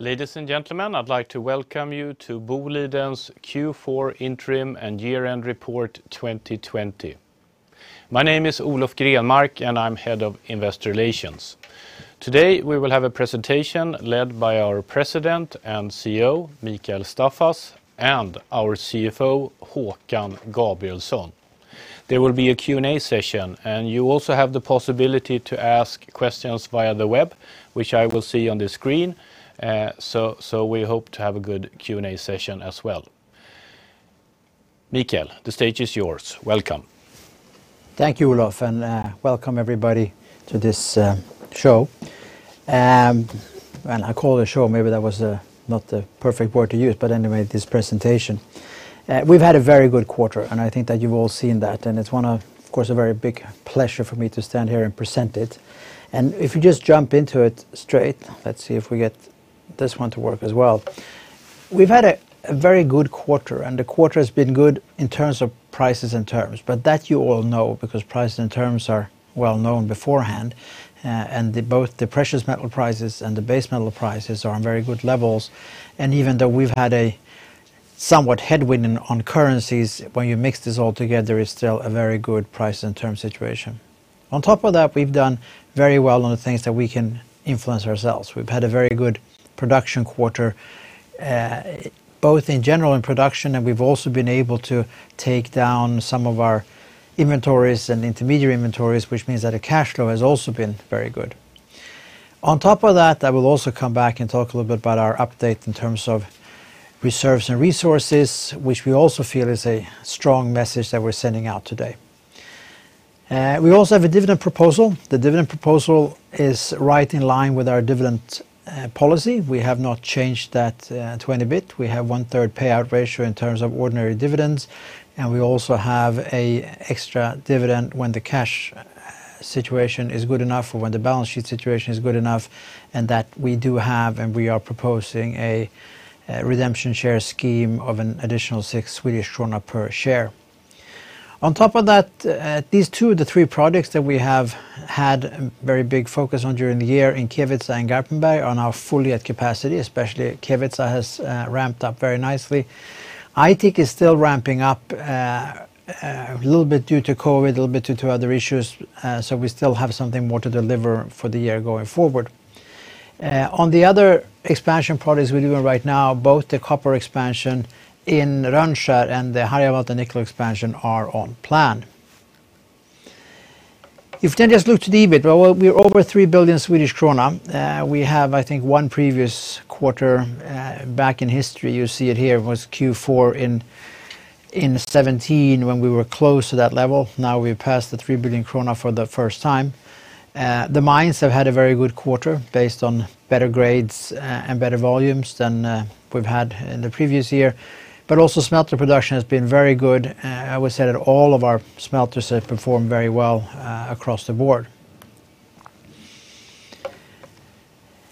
Ladies and gentlemen, I'd like to welcome you to Boliden's Q4 interim and year-end report 2020. My name is Olof Grenmark, and I'm Head of Investor Relations. Today, we will have a presentation led by our President and CEO, Mikael Staffas, and our CFO, Håkan Gabrielsson. There will be a Q&A session, and you also have the possibility to ask questions via the web, which I will see on the screen. We hope to have a good Q&A session as well. Mikael, the stage is yours. Welcome. Thank you, Olof, and welcome everybody to this show. I call it a show, maybe that was not the perfect word to use, but anyway, this presentation. We've had a very good quarter, and I think that you've all seen that, and it's of course a very big pleasure for me to stand here and present it. If you just jump into it straight, let's see if we get this one to work as well. We've had a very good quarter, and the quarter has been good in terms of prices and terms. That you all know, because prices and terms are well-known beforehand, and both the precious metal prices and the base metal prices are on very good levels. Even though we've had a somewhat headwind on currencies, when you mix this all together, it's still a very good price and term situation. We've done very well on the things that we can influence ourselves. We've had a very good production quarter, both in general in production, and we've also been able to take down some of our inventories and intermediary inventories, which means that our cash flow has also been very good. I will also come back and talk a little bit about our update in terms of reserves and resources, which we also feel is a strong message that we're sending out today. We also have a dividend proposal. The dividend proposal is right in line with our dividend policy. We have not changed that to any bit. We have 1/3 payout ratio in terms of ordinary dividends, and we also have an extra dividend when the cash situation is good enough or when the balance sheet situation is good enough, and that we do have, and we are proposing a redemption share scheme of an additional 6 Swedish krona per share. On top of that, these two of the three projects that we have had a very big focus on during the year in Kevitsa and Garpenberg are now fully at capacity, especially Kevitsa has ramped up very nicely. Aitik is still ramping up a little bit due to COVID, a little bit due to other issues. We still have something more to deliver for the year going forward. On all other expansion projects we're doing right now, both the copper expansion in Rönnskär and the Harjavalta nickel expansion are on plan. Just look to the EBIT, well, we're over 3 billion Swedish krona. We have, I think, one previous quarter back in history. You see it here. It was Q4 2017 when we were close to that level. Now we've passed the 3 billion krona for the first time. The mines have had a very good quarter based on better grades and better volumes than we've had in the previous year. Smelter production has been very good. I would say that all of our smelters have performed very well across the board.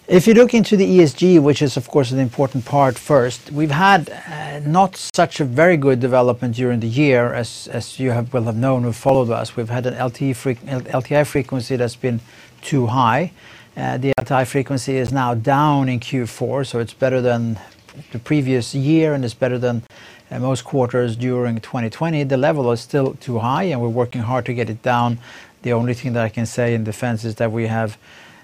If you look into the ESG, which is of course an important part first, we've had not such a very good development during the year as you will have known, who followed us. We've had an LTI frequency that's been too high. The LTI frequency is now down in Q4, so it's better than the previous year, and it's better than most quarters during 2020. The level is still too high, and we're working hard to get it down. The only thing that I can say in defense is that we have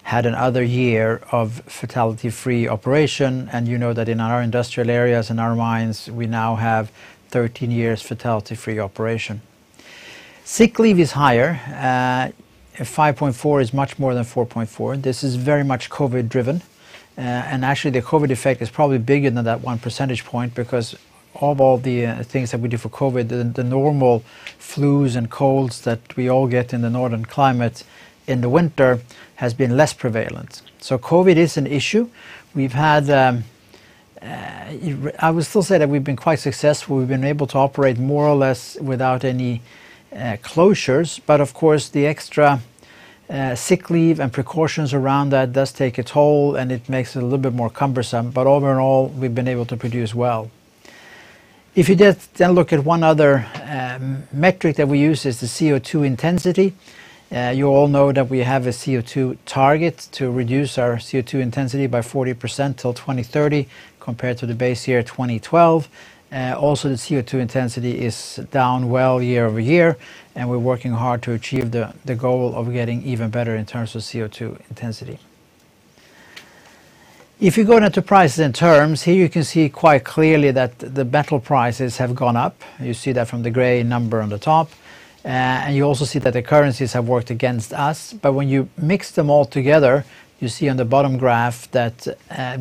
had another year of fatality-free operation, and you know that in our industrial areas, in our mines, we now have 13 years fatality-free operation. Sick leave is higher. 5.4 is much more than 4.4. This is very much COVID driven. Actually, the COVID effect is probably bigger than that one percentage point because of all the things that we did for COVID, the normal flus and colds that we all get in the northern climate in the winter has been less prevalent. COVID is an issue. I would still say that we've been quite successful. We've been able to operate more or less without any closures. Of course, the extra sick leave and precautions around that does take a toll, and it makes it a little bit more cumbersome. Overall, we've been able to produce well. If you look at one other metric that we use is the CO2 intensity. You all know that we have a CO2 target to reduce our CO2 intensity by 40% till 2030 compared to the base year 2012. The CO2 intensity is down well year-over-year, and we're working hard to achieve the goal of getting even better in terms of CO2 intensity. If you go now to prices and terms, here you can see quite clearly that the metal prices have gone up. You see that from the gray number on the top. You also see that the currencies have worked against us. When you mix them all together, you see on the bottom graph that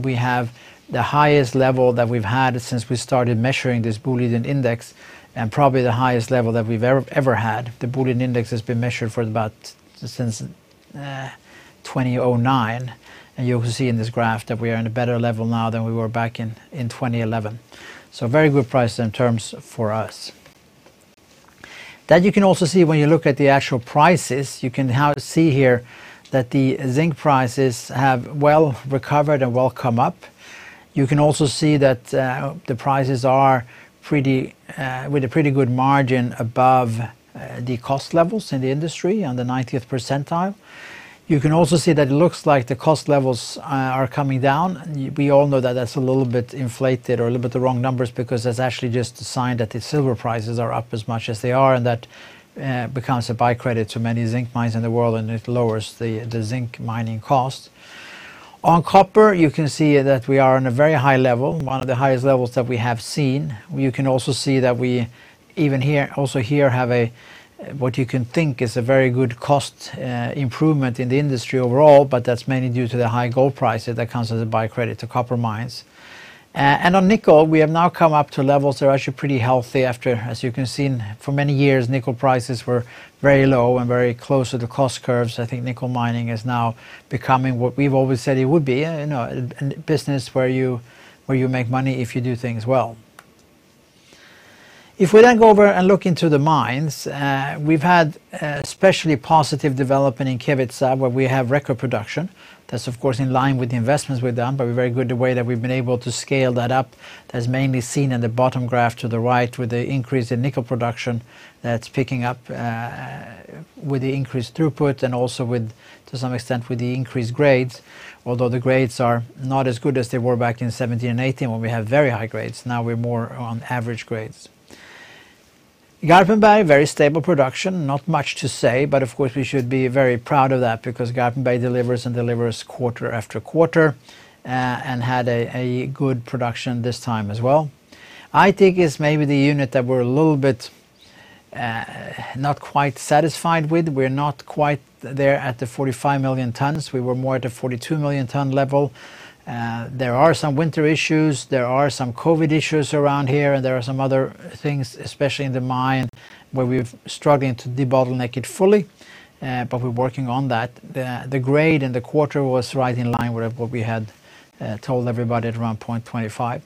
we have the highest level that we've had since we started measuring this Boliden index, and probably the highest level that we've ever had. The Boliden index has been measured for about since 2009, and you will see in this graph that we are in a better level now than we were back in 2011. Very good prices and terms for us. That you can also see when you look at the actual prices. You can now see here that the zinc prices have well recovered and well come up. You can also see that the prices are with a pretty good margin above the cost levels in the industry on the 90th percentile. You can also see that it looks like the cost levels are coming down. We all know that that's a little bit inflated or a little bit the wrong numbers because that's actually just a sign that the silver prices are up as much as they are, and that becomes a by-credit to many zinc mines in the world, and it lowers the zinc mining cost. On copper, you can see that we are on a very high level, one of the highest levels that we have seen. You can also see that we even also here have a, what you can think is a very good cost improvement in the industry overall, but that's mainly due to the high gold prices that comes as a by-credit to copper mines. On nickel, we have now come up to levels that are actually pretty healthy after, as you can see, for many years, nickel prices were very low and very close to the cost curves. I think nickel mining is now becoming what we've always said it would be, a business where you make money if you do things well. If we then go over and look into the mines, we've had especially positive development in Kevitsa, where we have record production. That's of course in line with the investments we've done, very good the way that we've been able to scale that up. That's mainly seen in the bottom graph to the right with the increase in nickel production that's picking up with the increased throughput and also to some extent with the increased grades, although the grades are not as good as they were back in 2017 and 2018 when we had very high grades. Now we're more on average grades. Garpenberg, very stable production, not much to say, but of course, we should be very proud of that because Garpenberg delivers and delivers quarter after quarter and had a good production this time as well. Aitik is maybe the unit that we're a little bit not quite satisfied with. We're not quite there at the 45 million tons. We were more at the 42-million ton level. There are some winter issues. There are some COVID issues around here, and there are some other things, especially in the mine, where we're struggling to debottleneck it fully, but we're working on that. The grade in the quarter was right in line with what we had told everybody at around 0.25.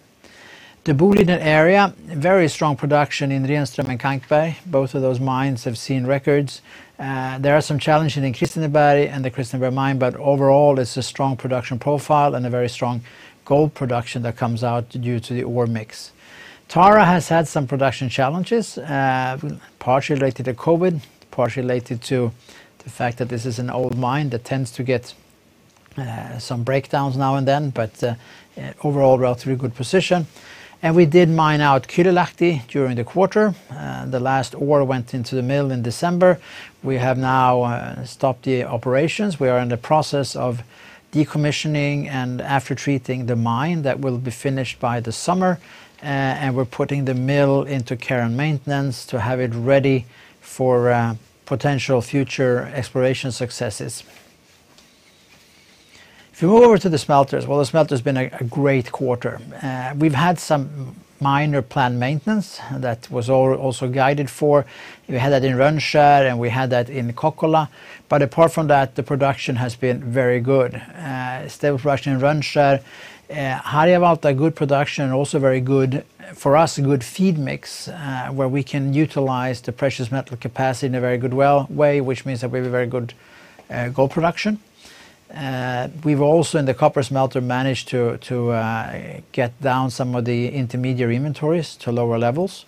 The Boliden area, very strong production in Renström and Kankberg. Both of those mines have seen records. There are some challenges in Kristineberg and the Kristineberg mine. Overall, it's a strong production profile and a very strong gold production that comes out due to the ore mix. Tara has had some production challenges, partially related to COVID, partially related to the fact that this is an old mine that tends to get some breakdowns now and then. Overall, relatively good position. We did mine out Kylylahti during the quarter. The last ore went into the mill in December. We have now stopped the operations. We are in the process of decommissioning and after treating the mine that will be finished by the summer, and we're putting the mill into care and maintenance to have it ready for potential future exploration successes. If you move over to the smelters, well, the smelter's been a great quarter. We've had some minor planned maintenance that was also guided for. We had that in Rönnskär, and we had that in Kokkola. Apart from that, the production has been very good. Stable production in Rönnskär. Harjavalta, good production, also very good for us, a good feed mix where we can utilize the precious metal capacity in a very good way, which means that we have a very good gold production. We've also in the copper smelter managed to get down some of the intermediary inventories to lower levels.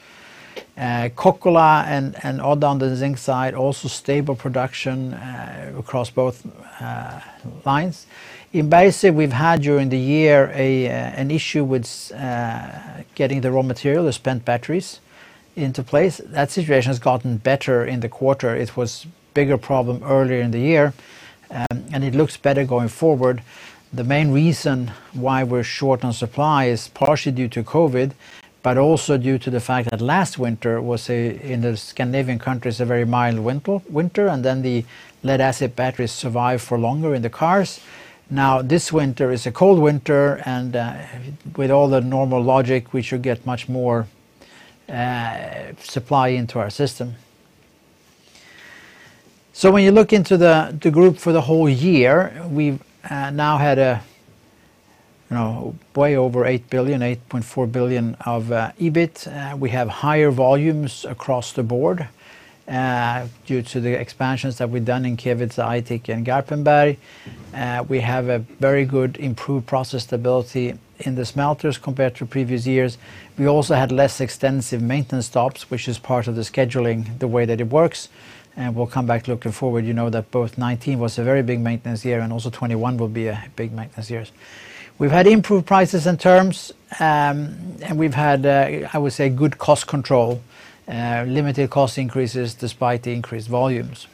Kokkola and Oulu on the zinc side, also stable production across both lines. In Bergsöe, we've had during the year an issue with getting the raw material, the spent batteries into place. That situation has gotten better in the quarter. It was bigger problem earlier in the year, and it looks better going forward. The main reason why we're short on supply is partially due to COVID, but also due to the fact that last winter was, in the Scandinavian countries, a very mild winter, and then the lead-acid batteries survived for longer in the cars. This winter is a cold winter, and with all the normal logic, we should get much more supply into our system. When you look into the group for the whole year, we've now had way over 8 billion, 8.4 billion of EBIT. We have higher volumes across the board due to the expansions that we've done in Kevitsa, Aitik, and Garpenberg. We have a very good improved process stability in the smelters compared to previous years. We also had less extensive maintenance stops, which is part of the scheduling, the way that it works. We'll come back looking forward. You know that both 2019 was a very big maintenance year, and also 2021 will be a big maintenance year. We've had improved prices and terms, and we've had, I would say, good cost control, limited cost increases despite the increased volumes.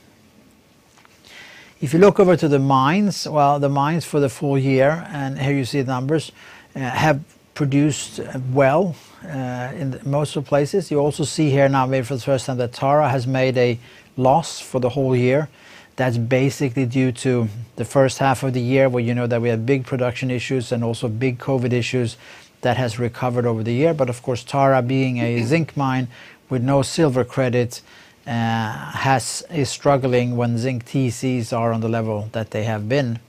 If you look over to the mines, well, the mines for the full year, and here you see the numbers, have produced well in most of the places. You also see here now maybe for the first time that Tara has made a loss for the whole year. That's basically due to the first half of the year where you know that we had big production issues and also big COVID issues that has recovered over the year. Of course, Tara being a zinc mine with no silver credit is struggling when zinc TCs are on the level that they have been.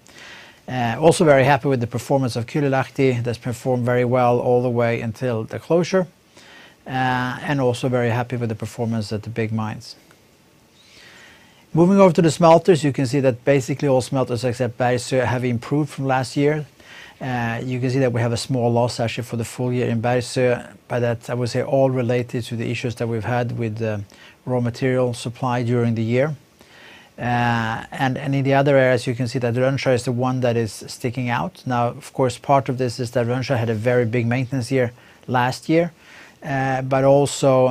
Very happy with the performance of Kylylahti. That's performed very well all the way until the closure, and also very happy with the performance at the big mines. Moving over to the smelters, you can see that basically all smelters except Bergsöe have improved from last year. You can see that we have a small loss actually for the full year in Bergsöe. By that, I would say all related to the issues that we've had with the raw material supply during the year. In the other areas, you can see that Rönnskär is the one that is sticking out. Of course, part of this is that Rönnskär had a very big maintenance year last year. Also,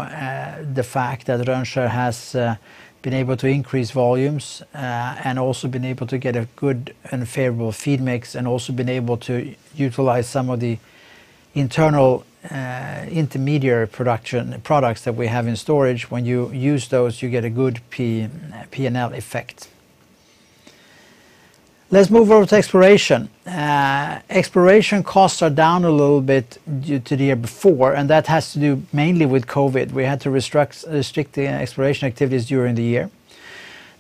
the fact that Rönnskär has been able to increase volumes, and also been able to get a good and favorable feed mix, and also been able to utilize some of the internal intermediary products that we have in storage. When you use those, you get a good P&L effect. Let's move over to exploration. Exploration costs are down a little bit due to the year before, and that has to do mainly with COVID. We had to restrict the exploration activities during the year.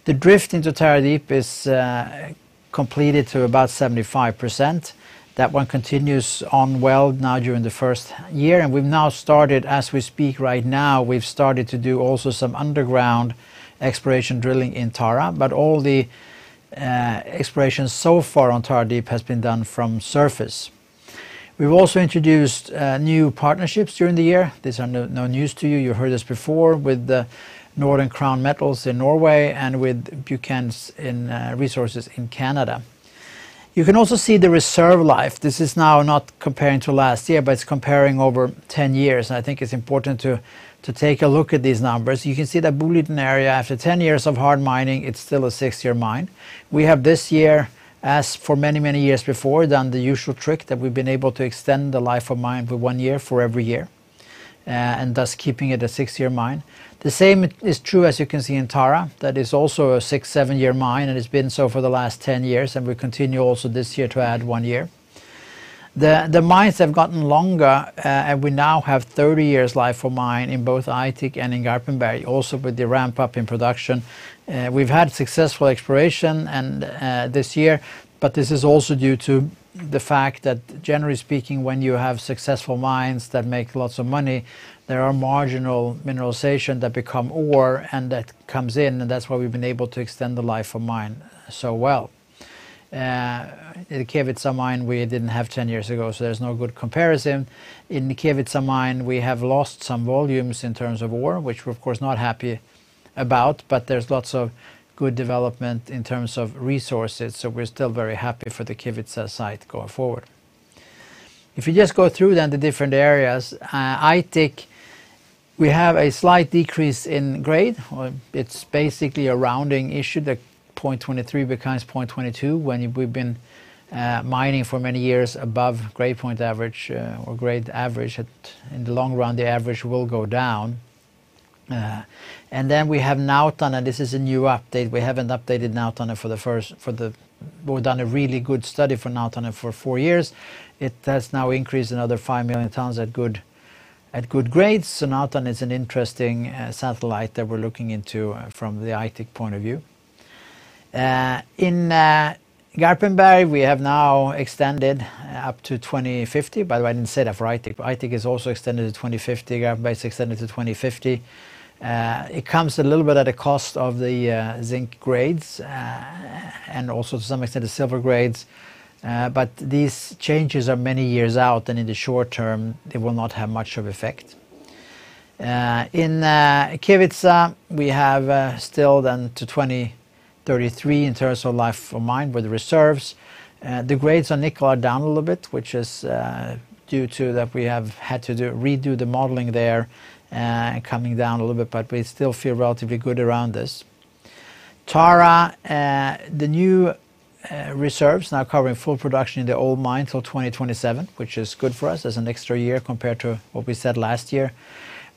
The drift into Tara Deep is completed to about 75%. That one continues on well now during the first year. We've now started as we speak right now, we've started to do also some underground exploration drilling in Tara. All the exploration so far on Tara Deep has been done from surface. We've also introduced new partnerships during the year. These are no news to you. You heard this before with Norden Crown Metals in Norway and with Buchans Resources in Canada. You can also see the reserve life. This is now not comparing to last year, but it's comparing over 10 years, and I think it's important to take a look at these numbers. You can see that Boliden Area, after 10 years of hard mining, it's still a six-year mine. We have this year, as for many, many years before, done the usual trick that we've been able to extend the life of mine for one year for every year, and thus keeping it a six-year mine. The same is true as you can see in Tara. That is also a six, seven-year mine, and it's been so for the last 10 years, and we continue also this year to add one year. The mines have gotten longer, and we now have 30 years life of mine in both Aitik and in Garpenberg, also with the ramp-up in production. We've had successful exploration this year, but this is also due to the fact that generally speaking, when you have successful mines that make lots of money, there are marginal mineralization that become ore and that comes in, and that's why we've been able to extend the life of mine so well. The Kevitsa Mine we didn't have 10 years ago, so there's no good comparison. In the Kevitsa Mine, we have lost some volumes in terms of ore, which we're of course not happy about, but there's lots of good development in terms of resources. We're still very happy for the Kevitsa site going forward. If you just go through then the different areas, Aitik, we have a slight decrease in grade. It's basically a rounding issue, the 0.23 becomes 0.22 when we've been mining for many years above grade point average or grade average. In the long run, the average will go down. Then we have Nautanen. This is a new update. We haven't updated Nautanen. We've done a really good study for Nautanen for four years. It has now increased another 5 million tons at good grades. Nautanen is an interesting satellite that we're looking into from the Aitik point of view. In Garpenberg, we have now extended up to 2050. By the way, I didn't say that for Aitik is also extended to 2050. Garpenberg is extended to 2050. It comes a little bit at a cost of the zinc grades, and also to some extent the silver grades. These changes are many years out, and in the short term, they will not have much of effect. In Kevitsa, we have still then to 2033 in terms of life of mine with reserves. The grades on nickel are down a little bit, which is due to that we have had to redo the modeling there, coming down a little bit, but we still feel relatively good around this. Tara, the new reserves now covering full production in the old mine till 2027, which is good for us as an extra year compared to what we said last year.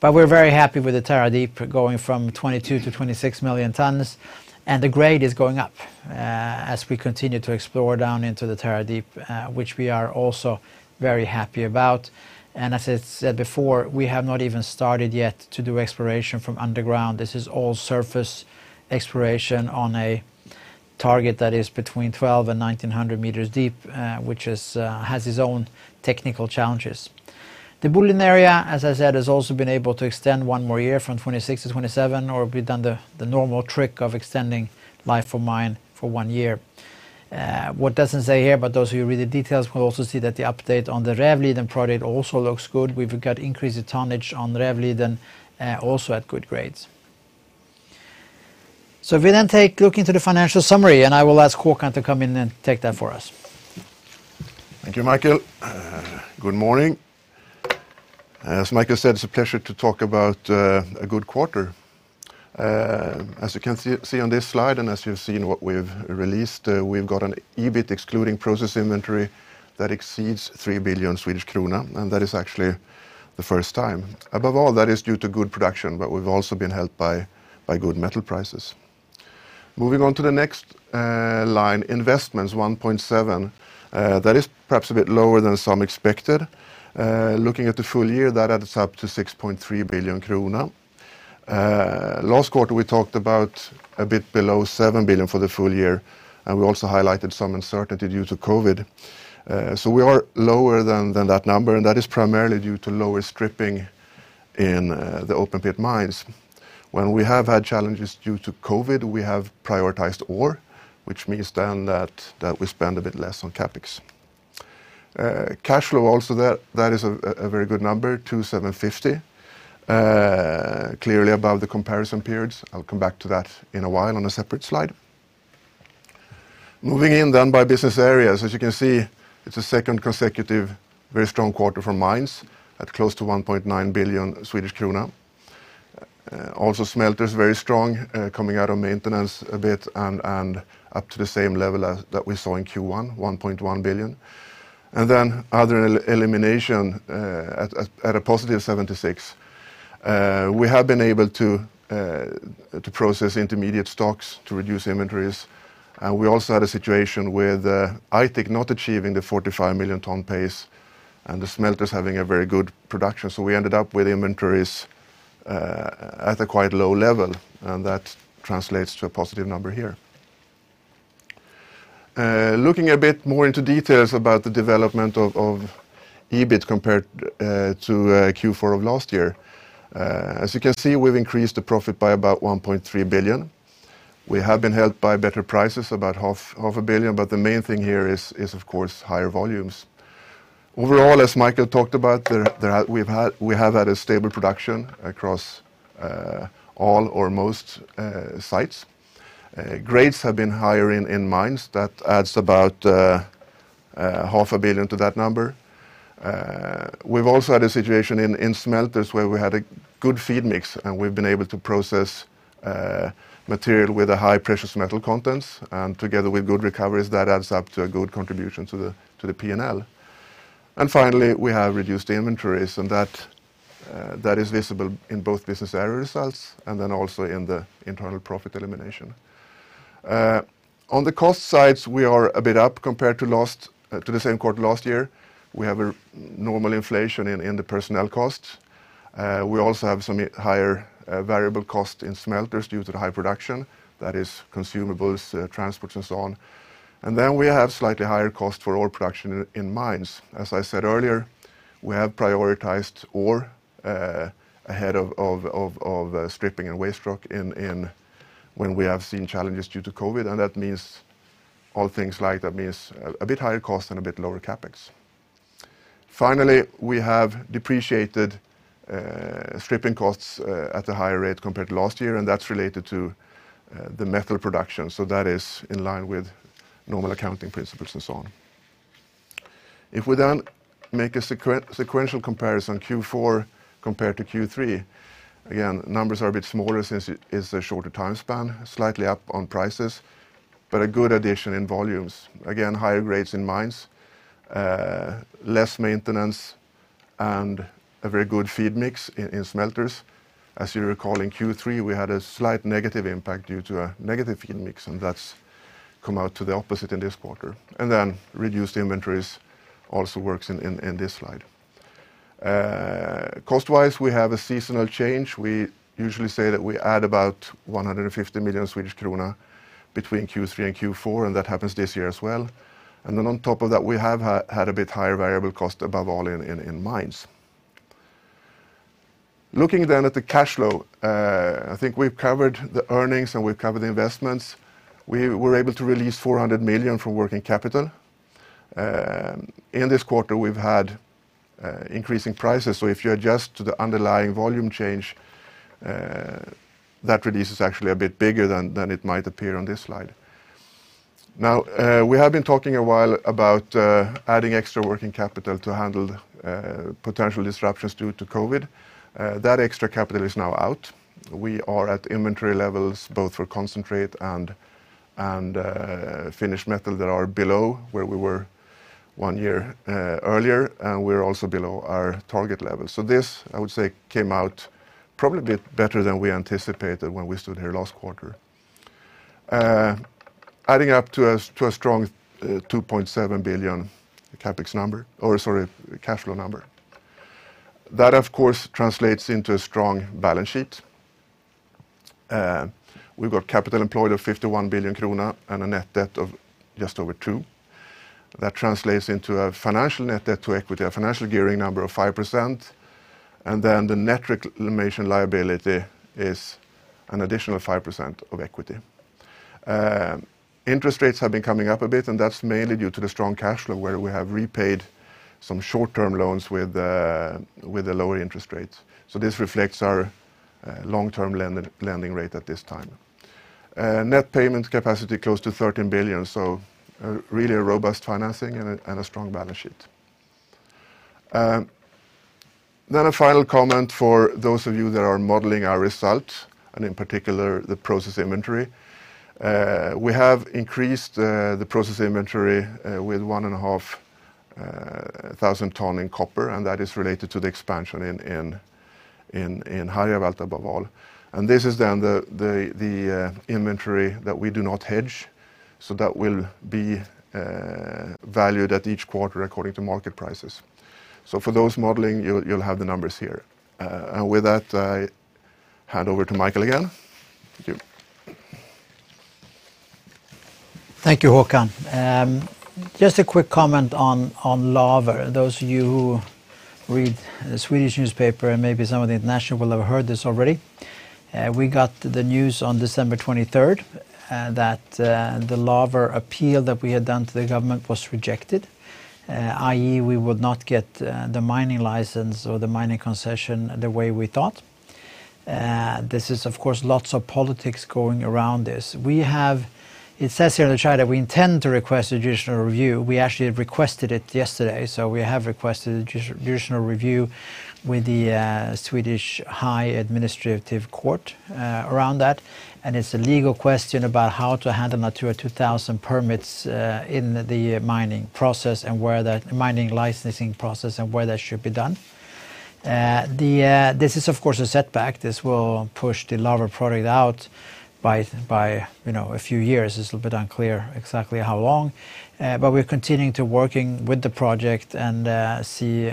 We're very happy with the Tara Deep going from 22 million-26 million tons. The grade is going up as we continue to explore down into the Tara Deep, which we are also very happy about. As I said before, we have not even started yet to do exploration from underground. This is all surface exploration on a target that is between 1,200 and 1,900 meters deep, which has its own technical challenges. The Boliden Area, as I said, has also been able to extend one more year from 2026 to 2027, or we've done the normal trick of extending life of mine for one year. What it doesn't say here, but those of you who read the details will also see that the update on the Rävliden project also looks good. We've got increased tonnage on Rävliden also at good grades. If we then take a look into the financial summary, and I will ask Håkan to come in and take that for us. Thank you, Mikael. Good morning. As Mikael said, it's a pleasure to talk about a good quarter. As you can see on this slide and as you've seen what we've released, we've got an EBIT excluding process inventory that exceeds 3 billion Swedish krona, and that is actually the first time. Above all, that is due to good production, but we've also been helped by good metal prices. Moving on to the next line, investments 1.7. That is perhaps a bit lower than some expected. Looking at the full year, that adds up to 6.3 billion krona. Last quarter, we talked about a bit below 7 billion for the full year, and we also highlighted some uncertainty due to COVID. We are lower than that number, and that is primarily due to lower stripping in the open pit mines. When we have had challenges due to COVID, we have prioritized ore, which means then that we spend a bit less on CapEx. Cash flow also, that is a very good number, 2,750. Clearly above the comparison periods. I'll come back to that in a while on a separate slide. Moving in by business areas. As you can see, it's a second consecutive very strong quarter for mines at close to 1.9 billion Swedish krona. Also smelters very strong, coming out of maintenance a bit and up to the same level as we saw in Q1, 1.1 billion. Other elimination at a positive 76. We have been able to process intermediate stocks to reduce inventories. We also had a situation with Aitik not achieving the 45 million ton pace, and the smelters having a very good production. We ended up with inventories at a quite low level, and that translates to a positive number here. Looking a bit more into details about the development of EBIT compared to Q4 of last year. As you can see, we've increased the profit by about 1.3 billion. We have been helped by better prices, about half a billion SEK, but the main thing here is of course higher volumes. Overall, as Mikael talked about, we have had a stable production across all or most sites. Grades have been higher in mines. That adds about half a billion SEK to that number. We've also had a situation in smelters where we had a good feed mix, and we've been able to process material with a high precious metal content, and together with good recoveries, that adds up to a good contribution to the P&L. Finally, we have reduced inventories, and that is visible in both business area results and then also in the internal profit elimination. On the cost sides, we are a bit up compared to the same quarter last year. We have a normal inflation in the personnel costs. We also have some higher variable cost in smelters due to the high production, that is consumables, transports, and so on. Then we have slightly higher cost for ore production in mines. As I said earlier, we have prioritized ore ahead of stripping and waste rock when we have seen challenges due to COVID. That means all things like that means a bit higher cost and a bit lower CapEx. Finally, we have depreciated stripping costs at a higher rate compared to last year, and that's related to the metal production. That is in line with normal accounting principles and so on. If we make a sequential comparison, Q4 compared to Q3, again, numbers are a bit smaller since it is a shorter time span, slightly up on prices, but a good addition in volumes. Again, higher grades in mines, less maintenance, and a very good feed mix in smelters. As you recall, in Q3, we had a slight negative impact due to a negative feed mix, that's come out to the opposite in this quarter. Reduced inventories also works in this slide. Cost-wise, we have a seasonal change. We usually say that we add about 150 million Swedish krona between Q3 and Q4, that happens this year as well. On top of that, we have had a bit higher variable cost above all in mines. Looking at the cash flow. I think we've covered the earnings, and we've covered the investments. We were able to release 400 million from working capital. In this quarter, we've had increasing prices, so if you adjust to the underlying volume change, that release is actually a bit bigger than it might appear on this slide. We have been talking a while about adding extra working capital to handle potential disruptions due to COVID. That extra capital is now out. We are at inventory levels both for concentrate and finished metal that are below where we were one year earlier, and we're also below our target level. This, I would say, came out probably a bit better than we anticipated when we stood here last quarter. Adding up to a strong 2.7 billion CapEx number, or sorry, cash flow number. That of course translates into a strong balance sheet We've got capital employed of 51 billion krona and a net debt of just over 2 billion. That translates into a financial net debt to equity, a financial gearing number of 5%, the net reclamation liability is an additional 5% of equity. Interest rates have been coming up a bit, that's mainly due to the strong cash flow where we have repaid some short-term loans with the lower interest rates. This reflects our long-term lending rate at this time. Net payment capacity close to 13 billion, really a robust financing and a strong balance sheet. A final comment for those of you that are modeling our result, and in particular, the process inventory. We have increased the process inventory with 1,500 tons in copper, that is related to the expansion in Harjavalta above all. This is then the inventory that we do not hedge, so that will be valued at each quarter according to market prices. For those modeling, you'll have the numbers here. With that, I hand over to Mikael again. Thank you. Thank you, Håkan. Just a quick comment on Laver. Those of you who read the Swedish newspaper, and maybe some of the international will have heard this already. We got the news on December 23rd that the Laver appeal that we had done to the government was rejected. I.e., we would not get the mining license or the mining concession the way we thought. This is of course lots of politics going around this. It says here on the chart that we intend to request judicial review. We actually have requested it yesterday, so we have requested judicial review with the Supreme Administrative Court of Sweden around that, and it's a legal question about how to handle Natura 2000 permits in the mining licensing process, and where that should be done. This is of course a setback. This will push the Laver project out by a few years. It's a little bit unclear exactly how long. We're continuing to working with the project and see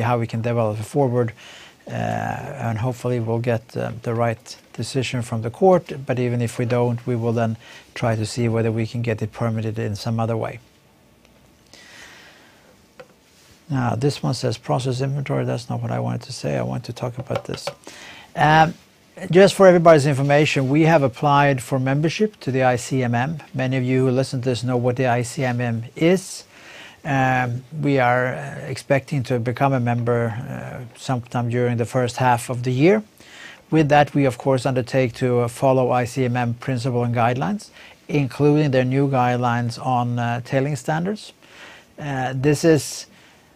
how we can develop it forward. Hopefully we'll get the right decision from the court. Even if we don't, we will then try to see whether we can get it permitted in some other way. Now, this one says process inventory. That's not what I wanted to say. I want to talk about this. Just for everybody's information, we have applied for membership to the ICMM. Many of you who listen to this know what the ICMM is. We are expecting to become a member sometime during the first half of the year. With that, we of course undertake to follow ICMM principle and guidelines, including their new guidelines on tailing standards.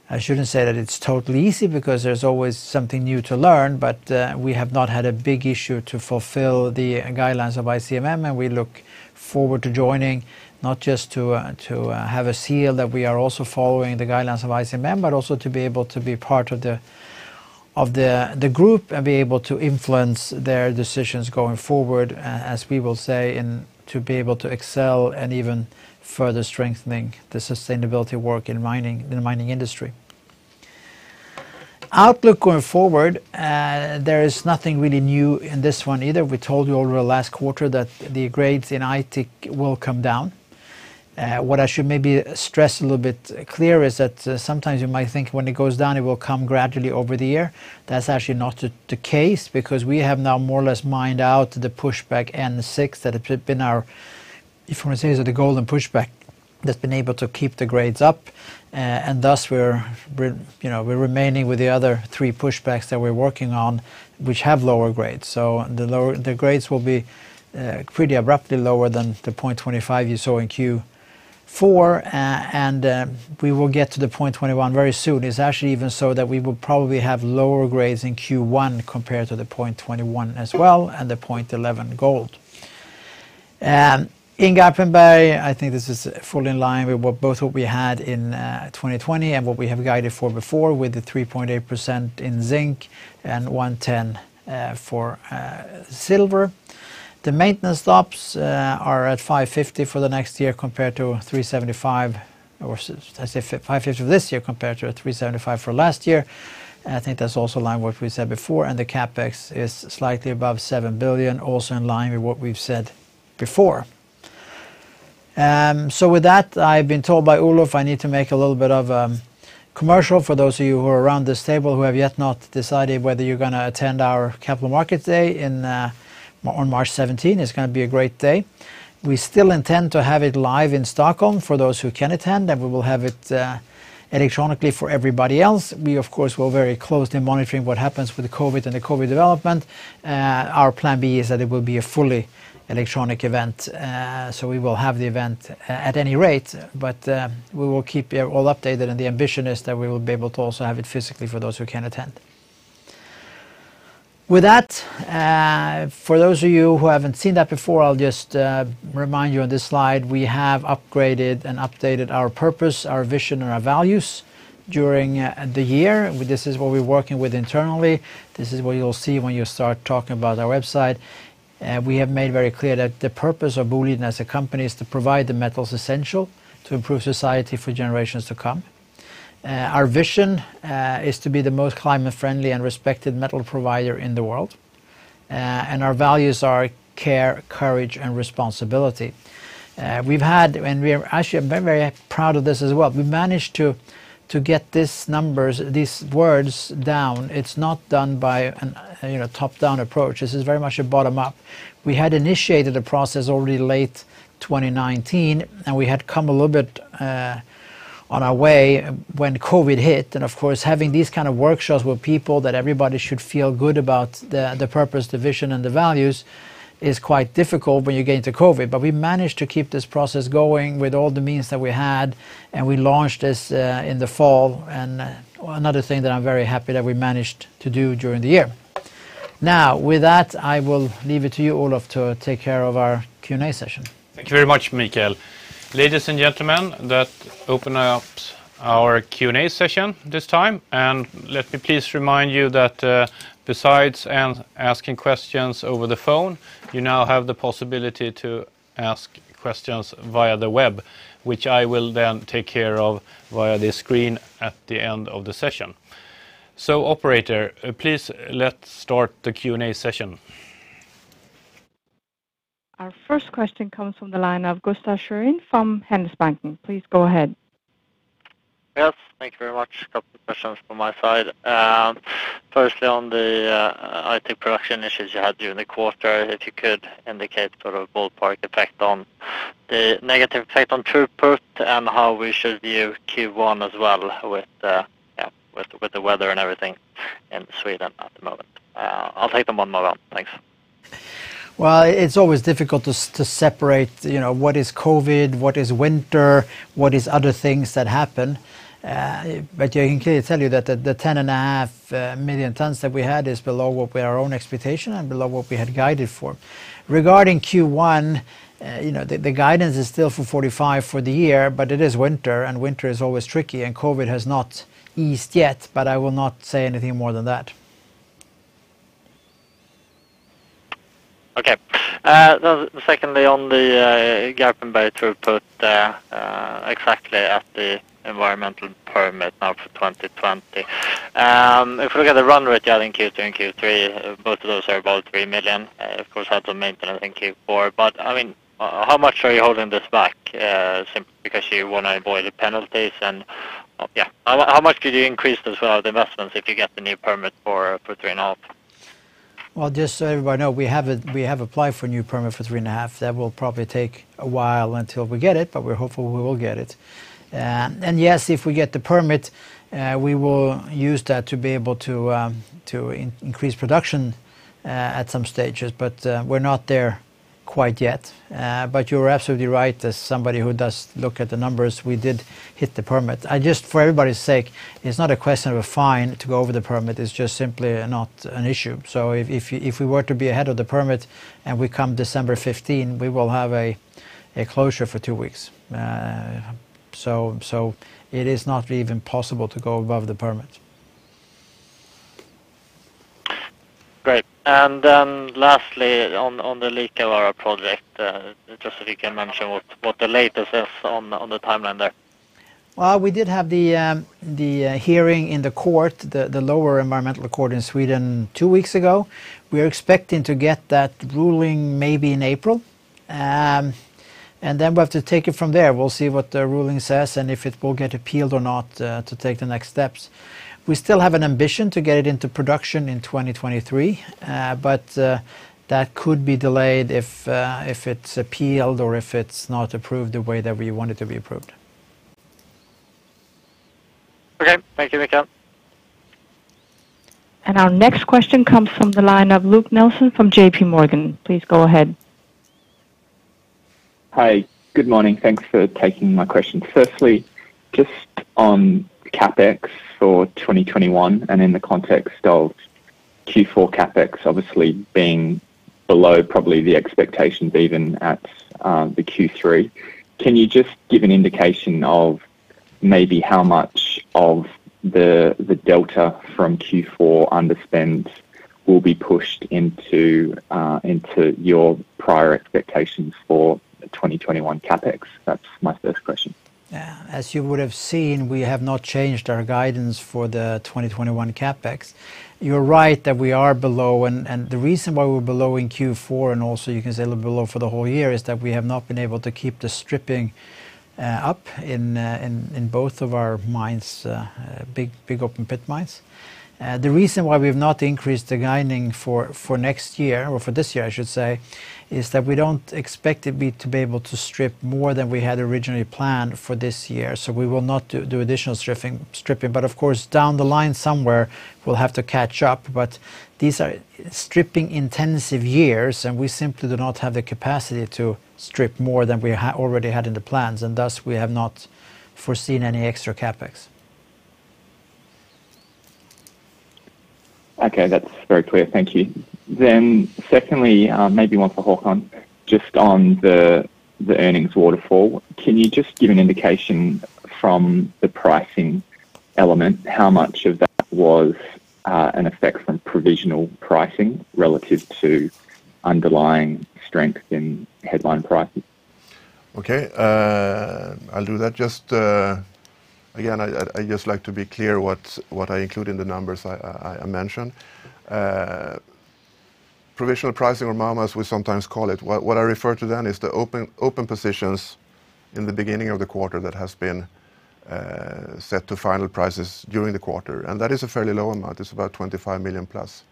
I shouldn't say that it's totally easy because there's always something new to learn, but we have not had a big issue to fulfill the guidelines of ICMM, and we look forward to joining, not just to have a seal that we are also following the guidelines of ICMM, but also to be able to be part of the group and be able to influence their decisions going forward as we will say, and to be able to excel and even further strengthening the sustainability work in the mining industry. Outlook going forward. There is nothing really new in this one either. We told you over the last quarter that the grades in Aitik will come down. What I should maybe stress a little bit clear is that sometimes you might think when it goes down, it will come gradually over the year. That's actually not the case because we have now more or less mined out the pushback and the sixth that have been our, if you want to say, is that the golden pushback that's been able to keep the grades up. Thus we're remaining with the other three pushbacks that we're working on which have lower grades. The grades will be pretty abruptly lower than the 0.25 you saw in Q4, and we will get to the 0.21 very soon. It's actually even so that we will probably have lower grades in Q1 compared to the 0.21 as well, and the 0.11 gold. In Garpenberg, I think this is fully in line with both what we had in 2020 and what we have guided for before with the 3.8% in zinc and 110 for silver. The maintenance stops are at 550 for this year compared to 375 for last year, and I think that's also in line with what we said before. The CapEx is slightly above 7 billion, also in line with what we've said before. With that, I've been told by Olof I need to make a little bit of a commercial for those of you who are around this table who have yet not decided whether you're going to attend our capital market day on March 17. It's going to be a great day. We still intend to have it live in Stockholm for those who can attend, and we will have it electronically for everybody else. We of course, we're very closely monitoring what happens with the COVID and the COVID development. Our plan B is that it will be a fully electronic event. We will have the event at any rate, but we will keep you all updated, and the ambition is that we will be able to also have it physically for those who can attend. With that, for those of you who haven't seen that before, I'll just remind you on this slide, we have upgraded and updated our purpose, our vision, and our values during the year. This is what we're working with internally. This is what you'll see when you start talking about our website. We have made very clear that the purpose of Boliden as a company is to provide the metals essential to improve society for generations to come. Our vision is to be the most climate friendly and respected metal provider in the world. Our values are care, courage, and responsibility. We're actually very proud of this as well. We've managed to get these words down. It's not done by a top-down approach. This is very much a bottom-up. We had initiated a process already late 2019, and we had come a little bit on our way when COVID hit, and of course, having these kind of workshops where people that everybody should feel good about the purpose, the vision, and the values is quite difficult when you get into COVID. We managed to keep this process going with all the means that we had, and we launched this in the fall, and another thing that I'm very happy that we managed to do during the year. Now, with that, I will leave it to you, Olof, to take care of our Q&A session. Thank you very much, Mikael. Ladies and gentlemen, that open ups our Q&A session this time. Let me please remind you that besides asking questions over the phone, you now have the possibility to ask questions via the web, which I will then take care of via the screen at the end of the session. Operator, please let's start the Q&A session. Our first question comes from the line of Gustav Sjödin from Handelsbanken. Please go ahead. Yes, thank you very much. A couple of questions from my side. Firstly, on the IT production issues you had during the quarter, if you could indicate sort of ballpark effect on the negative effect on throughput and how we should view Q1 as well with the weather and everything in Sweden at the moment. I'll take them one by one. Thanks. Well, it's always difficult to separate what is COVID, what is winter, what is other things that happen. I can clearly tell you that the 10.5 million tons that we had is below what were our own expectation and below what we had guided for. Regarding Q1, the guidance is still for 45 for the year, it is winter is always tricky, COVID has not eased yet, I will not say anything more than that. Okay. Secondly, on the Garpenberg throughput, exactly at the environmental permit now for 2020. If we look at the run rate you had in Q2 and Q3, both of those are about 3 million. Of course, you had the maintenance in Q4, but how much are you holding this back, simply because you want to avoid the penalties? How much could you increase the sort of investments if you get the new permit for 3.5? Well, just so everybody know, we have applied for a new permit for three and a half. That will probably take a while until we get it, but we're hopeful we will get it. Yes, if we get the permit, we will use that to be able to increase production at some stages, but we're not there quite yet. You are absolutely right, as somebody who does look at the numbers, we did hit the permit. Just for everybody's sake, it's not a question of a fine to go over the permit, it's just simply not an issue. If we were to be ahead of the permit and we come December 15, we will have a closure for two weeks. It is not even possible to go above the permit. Great. Lastly, on the Liikavaara project, just if you can mention what the latest is on the timeline there. Well, we did have the hearing in the court, the lower environmental court in Sweden two weeks ago. We are expecting to get that ruling maybe in April, and then we'll have to take it from there. We'll see what the ruling says and if it will get appealed or not to take the next steps. We still have an ambition to get it into production in 2023, but that could be delayed if it's appealed or if it's not approved the way that we want it to be approved. Okay. Thank you, Mikael. Our next question comes from the line of Luke Nelson from J.P. Morgan. Please go ahead. Hi. Good morning. Thanks for taking my question. Just on CapEx for 2021, and in the context of Q4 CapEx obviously being below probably the expectations even at the Q3, can you just give an indication of maybe how much of the delta from Q4 underspend will be pushed into your prior expectations for 2021 CapEx? That's my first question. Yeah. As you would have seen, we have not changed our guidance for the 2021 CapEx. You're right that we are below, and the reason why we're below in Q4 and also you can say a little below for the whole year, is that we have not been able to keep the stripping up in both of our mines, big open pit mines. The reason why we've not increased the guiding for next year, or for this year, I should say, is that we don't expect to be able to strip more than we had originally planned for this year. We will not do additional stripping. Of course, down the line somewhere, we'll have to catch up. These are stripping-intensive years, and we simply do not have the capacity to strip more than we already had in the plans, and thus, we have not foreseen any extra CapEx. Okay. That's very clear. Thank you. Secondly, maybe one for Håkan, just on the earnings waterfall. Can you just give an indication from the pricing element how much of that was an effect from provisional pricing relative to underlying strength in headline pricing? Okay. I'll do that. I just like to be clear what I include in the numbers I mention. Provisional pricing, or Mark-to-market, as we sometimes call it, what I refer to then is the open positions in the beginning of the quarter that has been set to final prices during the quarter, and that is a fairly low amount. It's about 25 million plus.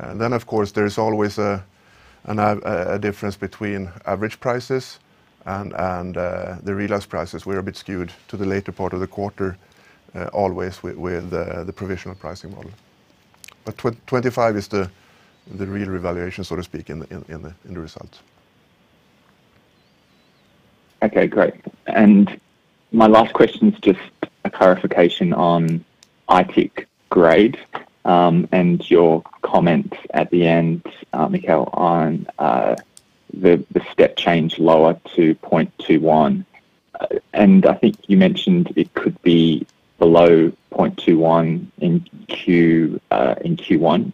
Of course, there's always a difference between average prices and the realized prices. We're a bit skewed to the later part of the quarter, always with the provisional pricing model. 25 is the real revaluation, so to speak, in the results. Okay, great. My last question is just a clarification on Aitik grade, and your comment at the end, Mikael, on the step change lower to 0.21. I think you mentioned it could be below 0.21 in Q1.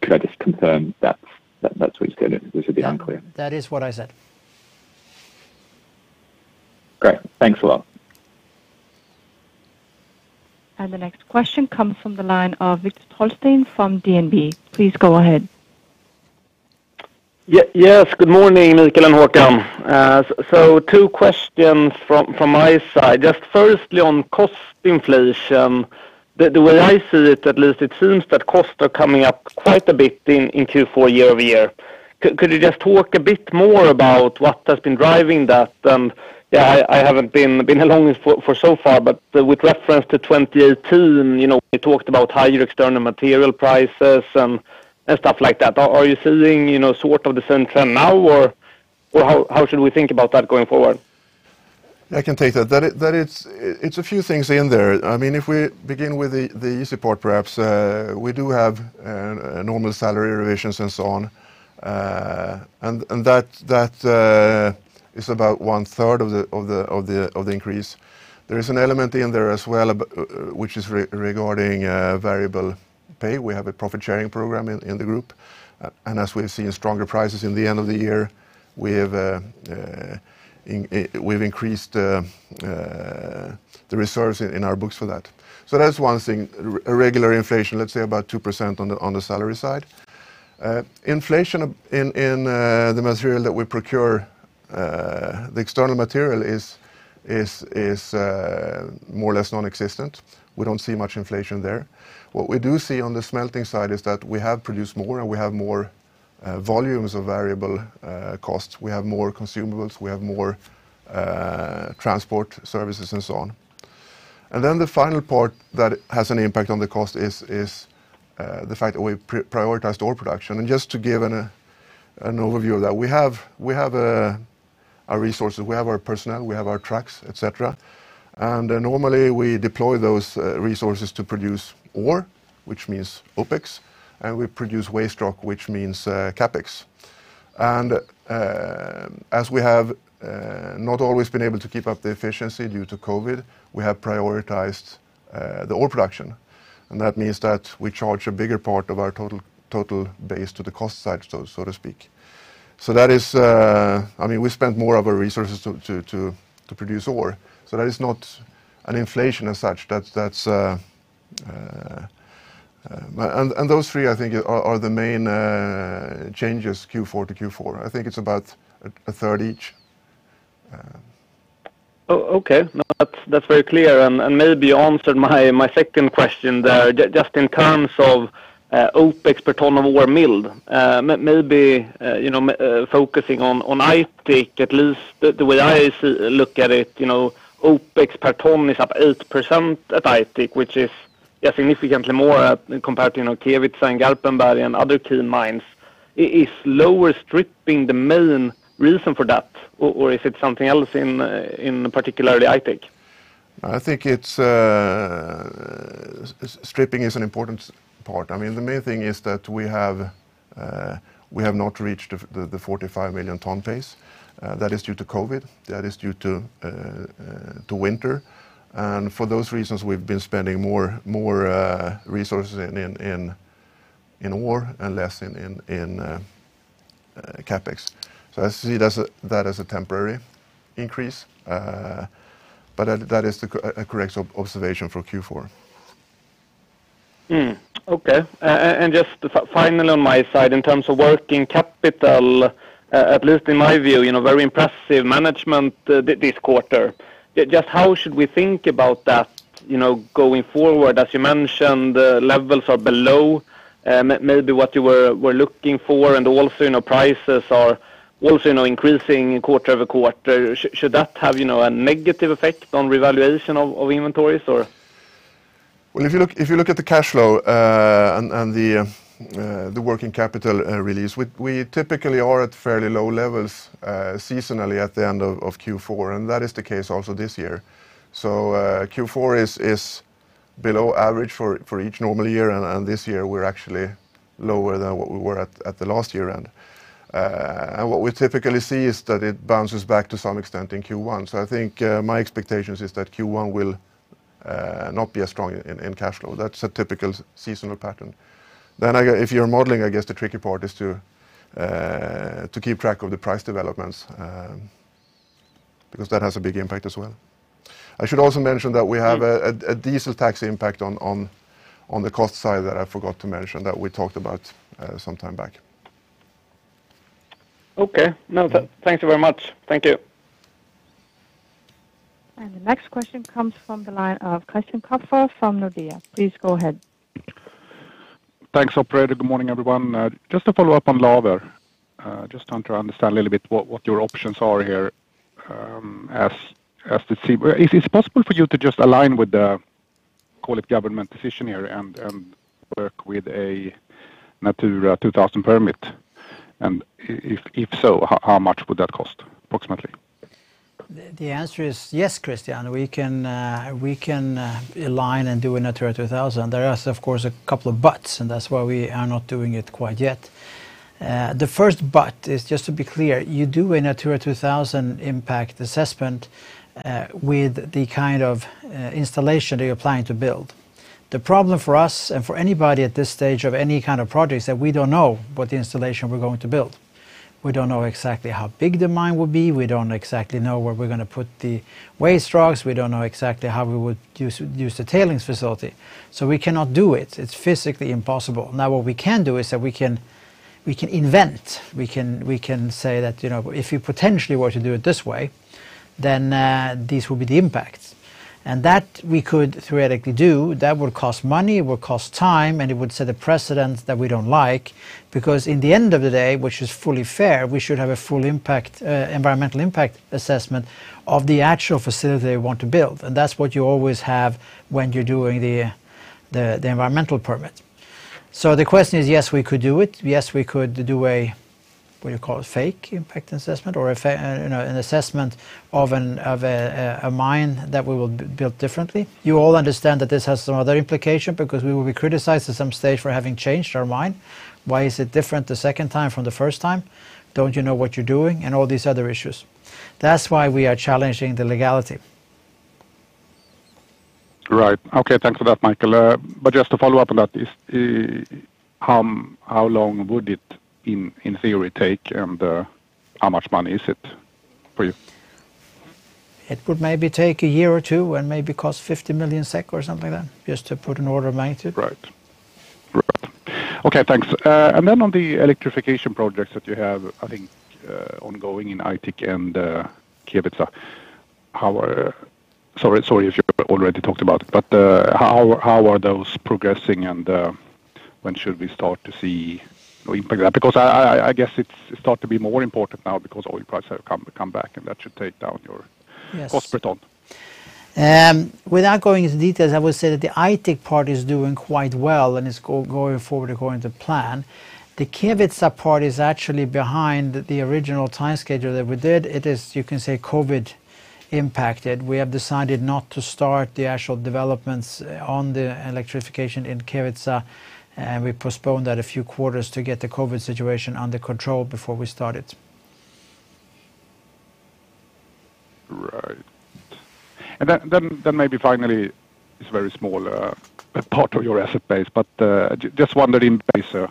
Could I just confirm that's what you said? It was a bit unclear. That is what I said. Great. Thanks a lot. The next question comes from the line o Viktor Trollsten from DNB. Please go ahead. Yes. Good morning, Mikael and Håkan. Two questions from my side. Just firstly, on cost inflation, the way I see it, at least it seems that costs are coming up quite a bit in Q4 year-over-year. Could you just talk a bit more about what has been driving that? I haven't been along for so far, but with reference to 2018, we talked about higher external material prices and stuff like that. Are you seeing sort of the same trend now, or how should we think about that going forward? I can take that. It's a few things in there. If we begin with the easy part, perhaps, we do have normal salary revisions and so on. That is about 1/3 of the increase. There is an element in there as well, which is regarding variable pay. We have a profit-sharing program in the group. As we've seen stronger prices in the end of the year, we've increased the resource in our books for that. That's one thing, a regular inflation, let's say about 2% on the salary side. Inflation in the material that we procure, the external material is more or less non-existent. We don't see much inflation there. What we do see on the smelting side is that we have produced more, and we have more volumes of variable costs. We have more consumables, we have more transport services, and so on. Then the final part that has an impact on the cost is the fact that we prioritized ore production. Just to give an overview of that, we have our resources, we have our personnel, we have our trucks, et cetera. Normally we deploy those resources to produce ore, which means OpEx, and we produce waste rock, which means CapEx. As we have not always been able to keep up the efficiency due to COVID, we have prioritized the ore production, and that means that we charge a bigger part of our total base to the cost side, so to speak. We spent more of our resources to produce ore. That is not an inflation as such. Those three, I think, are the main changes Q4 to Q4. I think it's about a third each. Okay. No, that's very clear, and maybe you answered my second question there. Just in terms of OpEx per ton of ore milled, maybe focusing on Aitik, at least the way I look at it, OpEx per ton is up 8% at Aitik, which is significantly more compared to Kiruna and Garpenberg and other key mines. Is lower stripping the main reason for that, or is it something else in particularly Aitik? I think stripping is an important part. The main thing is that we have not reached the 45 million ton pace. That is due to COVID. That is due to winter. For those reasons, we've been spending more resources in ore and less in CapEx. I see that as a temporary increase, but that is a correct observation for Q4. Okay. Just finally on my side, in terms of working capital, at least in my view, very impressive management this quarter. Just how should we think about that going forward? As you mentioned, the levels are below maybe what you were looking for, also prices are also increasing quarter-over-quarter. Should that have a negative effect on revaluation of inventories? Well, if you look at the cash flow and the working capital release, we typically are at fairly low levels seasonally at the end of Q4, and that is the case also this year. Q4 is below average for each normal year, and this year we're actually lower than what we were at the last year end. What we typically see is that it bounces back to some extent in Q1. I think my expectation is that Q1 will not be as strong in cash flow. That's a typical seasonal pattern. If you're modeling, I guess the tricky part is to keep track of the price developments because that has a big impact as well. I should also mention that we have a diesel tax impact on the cost side that I forgot to mention that we talked about some time back. Okay. No, thank you very much. Thank you. The next question comes from the line of Christian Kopfer from Nordea. Please go ahead. Thanks, operator. Good morning, everyone. Just to follow up on Livebrant. Just trying to understand a little bit what your options are here. Is it possible for you to just align with the, call it government decision here, and work with a Natura 2000 permit? If so, how much would that cost, approximately? The answer is yes, Christian, we can align and do a Natura 2000. There are, of course, a couple of buts, and that's why we are not doing it quite yet. The first but is just to be clear, you do a Natura 2000 impact assessment with the kind of installation that you're planning to build. The problem for us and for anybody at this stage of any kind of project is that we don't know what installation we're going to build. We don't know exactly how big the mine will be. We don't exactly know where we're going to put the waste rocks. We don't know exactly how we would use the tailings facility. We cannot do it. It's physically impossible. What we can do is that we can invent. We can say that, "If you potentially were to do it this way, then these will be the impacts." That we could theoretically do. That would cost money, it would cost time, and it would set a precedent that we don't like, because in the end of the day, which is fully fair, we should have a full environmental impact assessment of the actual facility they want to build. That's what you always have when you're doing the environmental permit. The question is, yes, we could do it. Yes, we could do a, what do you call it, fake impact assessment or an assessment of a mine that we will build differently. You all understand that this has some other implication, because we will be criticized at some stage for having changed our mind. Why is it different the second time from the first time? Don't you know what you're doing? All these other issues. That's why we are challenging the legality. Right. Okay. Thanks for that, Mikael. Just to follow up on that, how long would it, in theory, take, and how much money is it for you? It would maybe take a year or two and maybe cost 50 million SEK or something like that, just to put an order of magnitude. Right. Okay, thanks. On the electrification projects that you have, I think, ongoing in Aitik and Kevitsa. Sorry if you already talked about it, how are those progressing, and when should we start to see no impact? I guess it's start to be more important now because oil prices have come back, and that should take down your. Yes cost per ton. Without going into details, I would say that the Aitik part is doing quite well and is going forward according to plan. The Kevitsa part is actually behind the original time schedule that we did. It is, you can say, COVID impacted. We have decided not to start the actual developments on the electrification in Kevitsa, and we postponed that a few quarters to get the COVID situation under control before we start it. Right. Maybe finally, it's a very small part of your asset base, but just wondering, Bergsöe,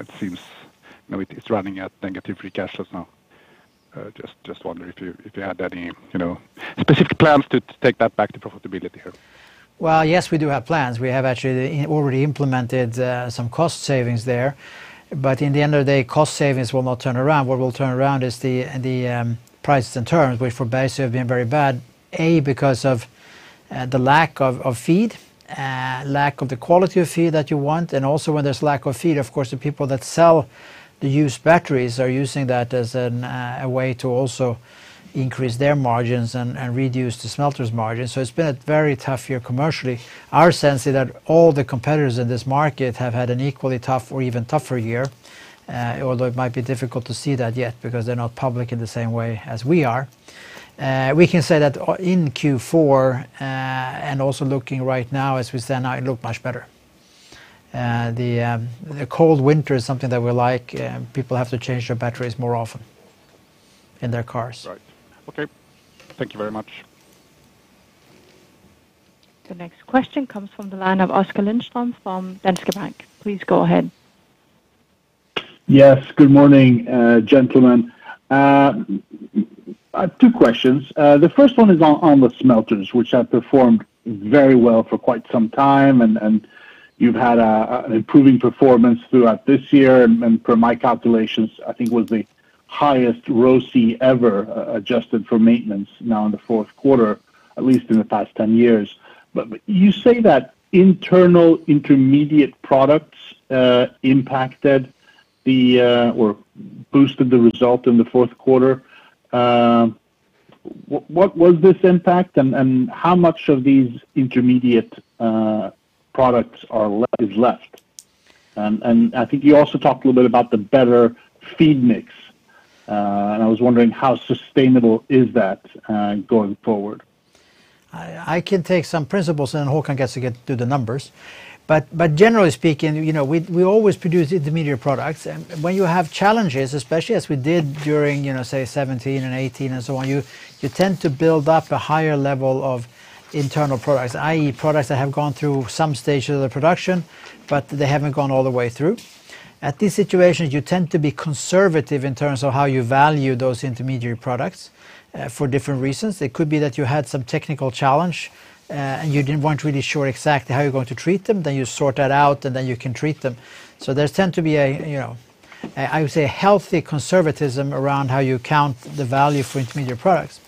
it seems it's running at negative free cash flows now. Just wonder if you had any specific plans to take that back to profitability here. Well, yes, we do have plans. We have actually already implemented some cost savings there. In the end of the day, cost savings will not turn around. What will turn around is the prices and terms, which for Bergsöe have been very bad, A, because of the lack of feed, lack of the quality of feed that you want, and also when there's lack of feed, of course, the people that sell the used batteries are using that as a way to also increase their margins and reduce the smelters margin. It's been a very tough year commercially. Our sense is that all the competitors in this market have had an equally tough or even tougher year, although it might be difficult to see that yet because they're not public in the same way as we are. We can say that in Q4, and also looking right now, as we stand now, it look much better. The cold winter is something that we like. People have to change their batteries more often in their cars. Right. Okay. Thank you very much. The next question comes from the line of Oskar Lindström from Danske Bank. Please go ahead. Yes, good morning, gentlemen. I have two questions. The first one is on the smelters, which have performed very well for quite some time, and you've had an improving performance throughout this year, and per my calculations, I think it was the highest ROCE ever, adjusted for maintenance now in the fourth quarter, at least in the past 10 years. You say that internal intermediate products impacted the or boosted the result in the fourth quarter. What was this impact, and how much of these intermediate products is left? I think you also talked a little bit about the better feed mix, and I was wondering how sustainable is that going forward? I can take some principles. Håkan gets to get through the numbers. Generally speaking, we always produce intermediate products. When you have challenges, especially as we did during say 2017 and 2018 and so on, you tend to build up a higher level of internal products, i.e., products that have gone through some stage of the production, but they haven't gone all the way through. At these situations, you tend to be conservative in terms of how you value those intermediary products for different reasons. It could be that you had some technical challenge, and you weren't really sure exactly how you're going to treat them. You sort that out, and then you can treat them. There tend to be, I would say, a healthy conservatism around how you count the value for intermediate products.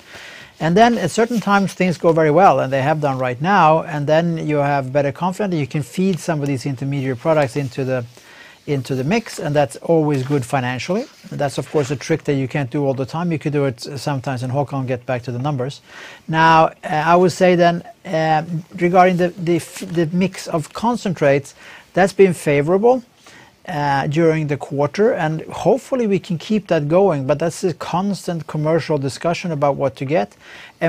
At certain times, things go very well, and they have done right now, and then you have better confidence that you can feed some of these intermediate products into the mix, and that's always good financially. That's, of course, a trick that you can't do all the time. You could do it sometimes, and Håkan will get back to the numbers. Now, I would say then, regarding the mix of concentrates, that's been favorable during the quarter, and hopefully we can keep that going, but that's a constant commercial discussion about what to get.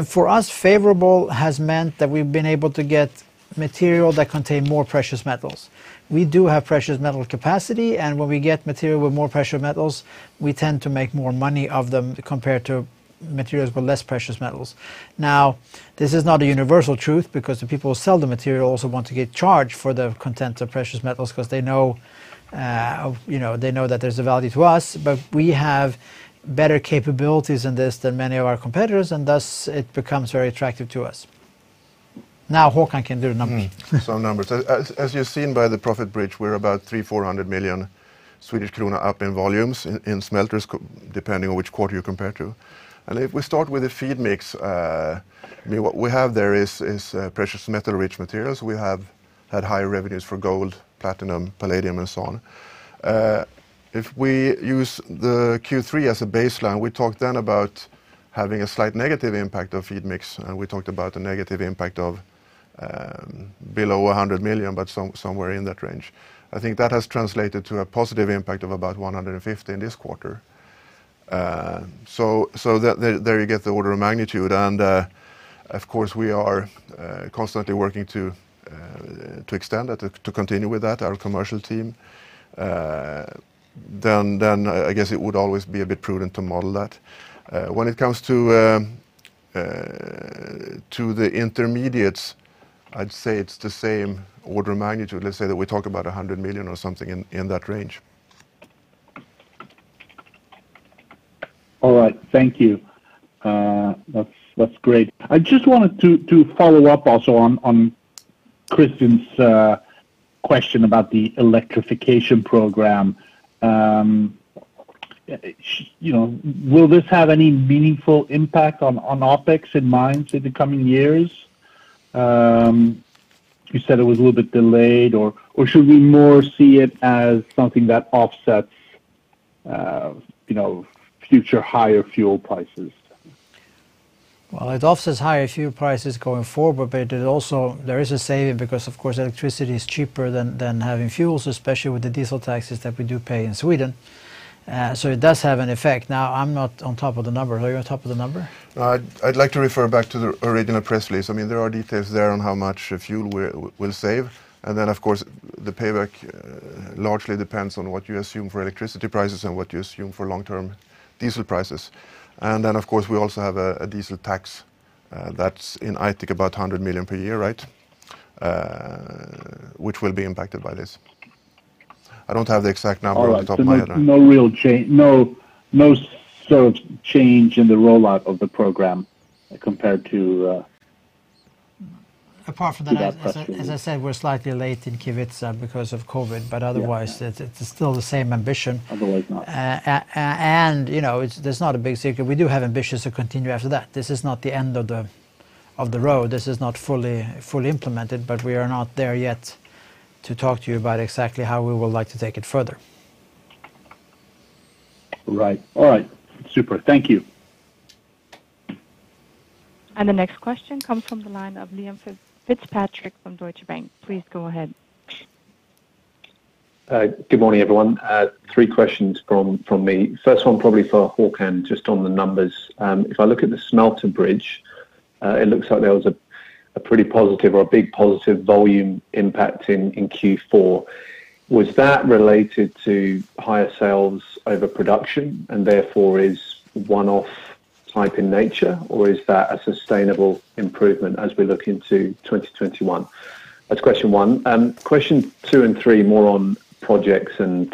For us, favorable has meant that we've been able to get material that contain more precious metals. We do have precious metal capacity, and when we get material with more precious metals, we tend to make more money of them compared to materials with less precious metals. Now, this is not a universal truth because the people who sell the material also want to get charged for the content of precious metals because they know that there's a value to us. We have better capabilities in this than many of our competitors, and thus it becomes very attractive to us. Now Håkan can do numbers. Some numbers. As you've seen by the profit bridge, we're about 300 million, 400 million Swedish krona up in volumes in smelters, depending on which quarter you compare to. If we start with the feed mix, what we have there is precious metal-rich materials. We have had higher revenues for gold, platinum, palladium, and so on. If we use the Q3 as a baseline, we talked then about having a slight negative impact of feed mix, we talked about a negative impact of below 100 million, somewhere in that range. I think that has translated to a positive impact of about 150 in this quarter. There you get the order of magnitude, of course we are constantly working to extend that, to continue with that, our commercial team. I guess it would always be a bit prudent to model that. When it comes to the intermediates, I'd say it's the same order of magnitude. Let's say that we talk about 100 million or something in that range. All right. Thank you. That's great. I just wanted to follow up also on Christian's question about the electrification program. Will this have any meaningful impact on OpEx in mines in the coming years? You said it was a little bit delayed, or should we more see it as something that offsets future higher fuel prices? It offsets higher fuel prices going forward, but there is a saving because, of course, electricity is cheaper than having fuels, especially with the diesel taxes that we do pay in Sweden. It does have an effect. I'm not on top of the number. Are you on top of the number? I'd like to refer back to the original press release. There are details there on how much fuel we'll save, then, of course, the payback largely depends on what you assume for electricity prices and what you assume for long-term diesel prices. Then, of course, we also have a diesel tax that's in, I think, about 100 million per year, right? Which will be impacted by this. I don't have the exact number at the top of my head. All right. No change in the rollout of the program compared to- Apart from that- That question. As I said, we're slightly late in Kevitsa because of COVID, but otherwise it's still the same ambition. Otherwise not. It's not a big secret. We do have ambitions to continue after that. This is not the end of the road. This is not fully implemented, but we are not there yet to talk to you about exactly how we would like to take it further. Right. All right. Super. Thank you. The next question comes from the line of Liam Fitzpatrick from Deutsche Bank. Please go ahead. Good morning, everyone. Three questions from me. First one probably for Håkan, just on the numbers. If I look at the smelter bridge, it looks like there was a pretty positive or a big positive volume impact in Q4. Was that related to higher sales over production and therefore is one-off type in nature, or is that a sustainable improvement as we look into 2021? That's question one. Question two and three, more on projects and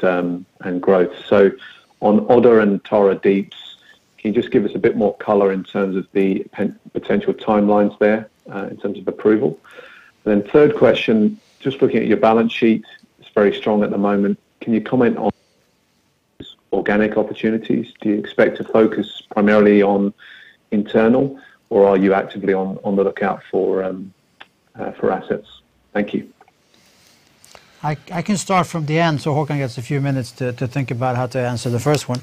growth. On Odda and Tara Deep, can you just give us a bit more color in terms of the potential timelines there, in terms of approval? Third question, just looking at your balance sheet, it's very strong at the moment. Can you comment on organic opportunities? Do you expect to focus primarily on internal or are you actively on the lookout for assets? Thank you. I can start from the end so Håkan gets a few minutes to think about how to answer the first one.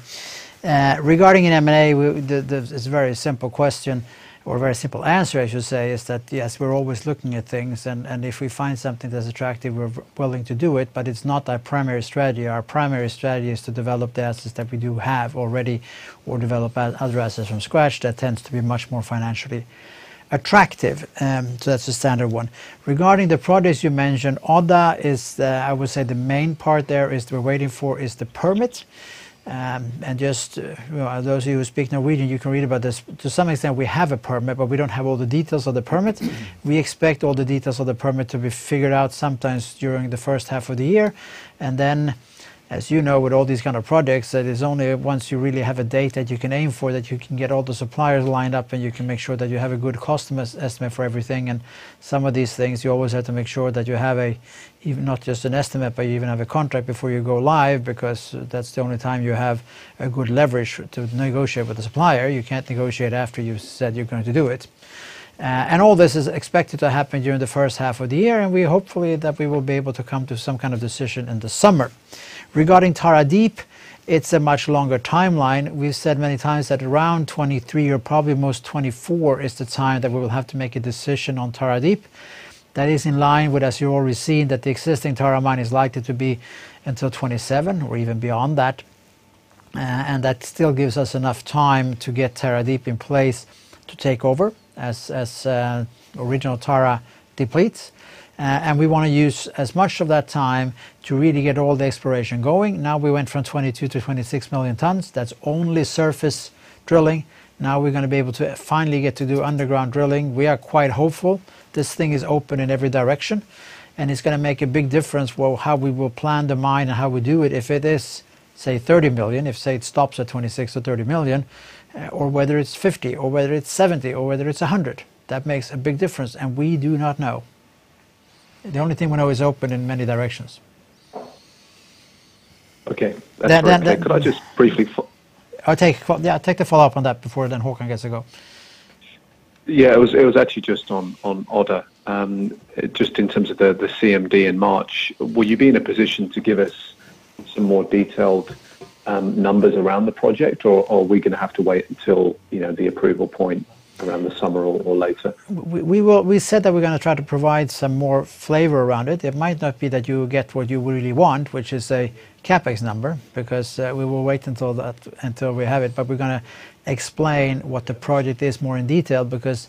Regarding an M&A, it's a very simple question or a very simple answer, I should say, is that yes, we're always looking at things, and if we find something that's attractive, we're willing to do it, but it's not our primary strategy. Our primary strategy is to develop the assets that we do have already or develop other assets from scratch that tends to be much more financially attractive. That's the standard one. Regarding the projects you mentioned, Odda is, I would say the main part there is we're waiting for is the permit. Just those of you who speak Norwegian, you can read about this. To some extent, we have a permit, but we don't have all the details of the permit. We expect all the details of the permit to be figured out sometimes during the first half of the year. Then, as you know, with all these kind of projects, that is only once you really have a date that you can aim for, that you can get all the suppliers lined up, and you can make sure that you have a good cost estimate for everything. Some of these things, you always have to make sure that you have a, even not just an estimate, but you even have a contract before you go live, because that's the only time you have a good leverage to negotiate with the supplier. You can't negotiate after you've said you're going to do it. All this is expected to happen during the first half of the year, and we hopefully that we will be able to come to some kind of decision in the summer. Regarding Tara Deep, it's a much longer timeline. We've said many times that around 2023 or probably most 2024 is the time that we will have to make a decision on Tara Deep. That is in line with, as you already seen, that the existing Tara Mine is likely to be until 2027 or even beyond that. That still gives us enough time to get Tara Deep in place to take over as original Tara Mine depletes. We want to use as much of that time to really get all the exploration going. Now we went from 22 to 26 million tonnes. That's only surface drilling. Now we're going to be able to finally get to do underground drilling. We are quite hopeful. This thing is open in every direction, it's going to make a big difference how we will plan the mine and how we do it if it is, say, 30 million, if, say, it stops at 26 or 30 million, or whether it's 50 or whether it's 70 or whether it's 100. That makes a big difference, we do not know. The only thing we know is open in many directions. Okay. That's perfect. Could I just briefly follow up? I'll take the follow-up on that before then Håkan gets a go. Yeah, it was actually just on Odda. Just in terms of the CMD in March, will you be in a position to give us some more detailed numbers around the project, or are we going to have to wait until the approval point around the summer or later? We said that we're going to try to provide some more flavor around it. It might not be that you will get what you really want, which is a CapEx number, because we will wait until we have it. We're going to explain what the project is more in detail, because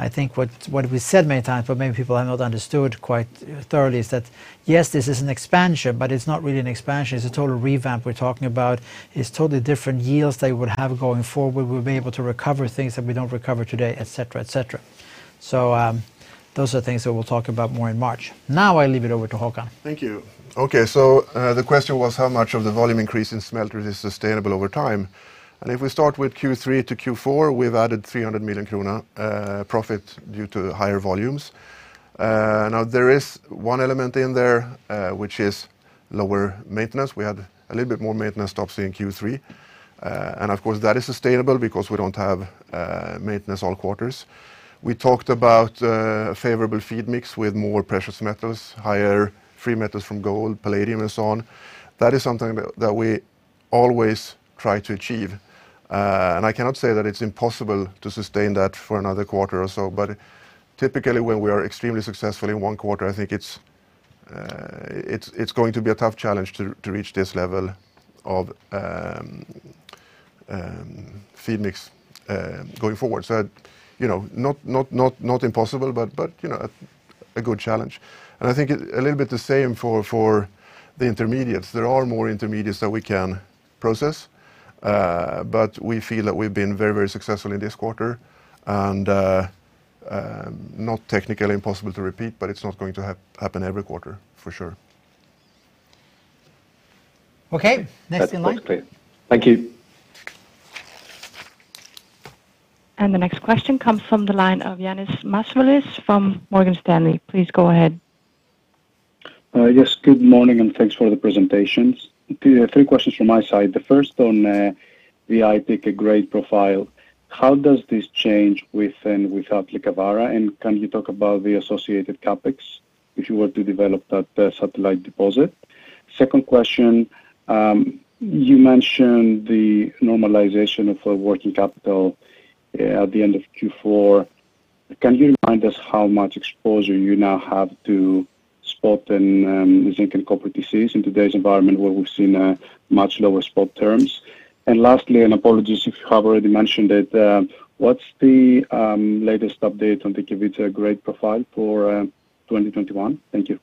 I think what we said many times, but many people have not understood quite thoroughly, is that, yes, this is an expansion, but it's not really an expansion. It's a total revamp we're talking about. It's totally different yields that we would have going forward. We'll be able to recover things that we don't recover today, et cetera. Those are things that we'll talk about more in March. Now I leave it over to Håkan. Thank you. Okay, the question was how much of the volume increase in smelter is sustainable over time. If we start with Q3 to Q4, we've added 300 million krona profit due to higher volumes. Now, there is one element in there, which is lower maintenance. We had a little bit more maintenance stops in Q3. Of course, that is sustainable because we don't have maintenance all quarters. We talked about a favorable feed mix with more precious metals, higher free metals from gold, palladium, and so on. That is something that we always try to achieve. I cannot say that it's impossible to sustain that for another quarter or so. Typically, when we are extremely successful in one quarter, I think it's going to be a tough challenge to reach this level of feed mix going forward. Not impossible, but a good challenge. I think a little bit the same for the intermediates. There are more intermediates that we can process. We feel that we've been very successful in this quarter, and not technically impossible to repeat, but it's not going to happen every quarter for sure. Okay. Next in line. That's quite clear. Thank you. The next question comes from the line of Ioannis Masvoulas from Morgan Stanley. Please go ahead. Yes, good morning. Thanks for the presentations. Three questions from my side. The first on the Aitik grade profile. How does this change with and without Liikavaara? Can you talk about the associated CapEx if you were to develop that satellite deposit? Second question, you mentioned the normalization of working capital at the end of Q4. Can you remind us how much exposure you now have to spot and zinc and copper TCs in today's environment where we've seen much lower spot terms? Lastly, apologies if you have already mentioned it, what's the latest update on the Kevitsa grade profile for 2021? Thank you.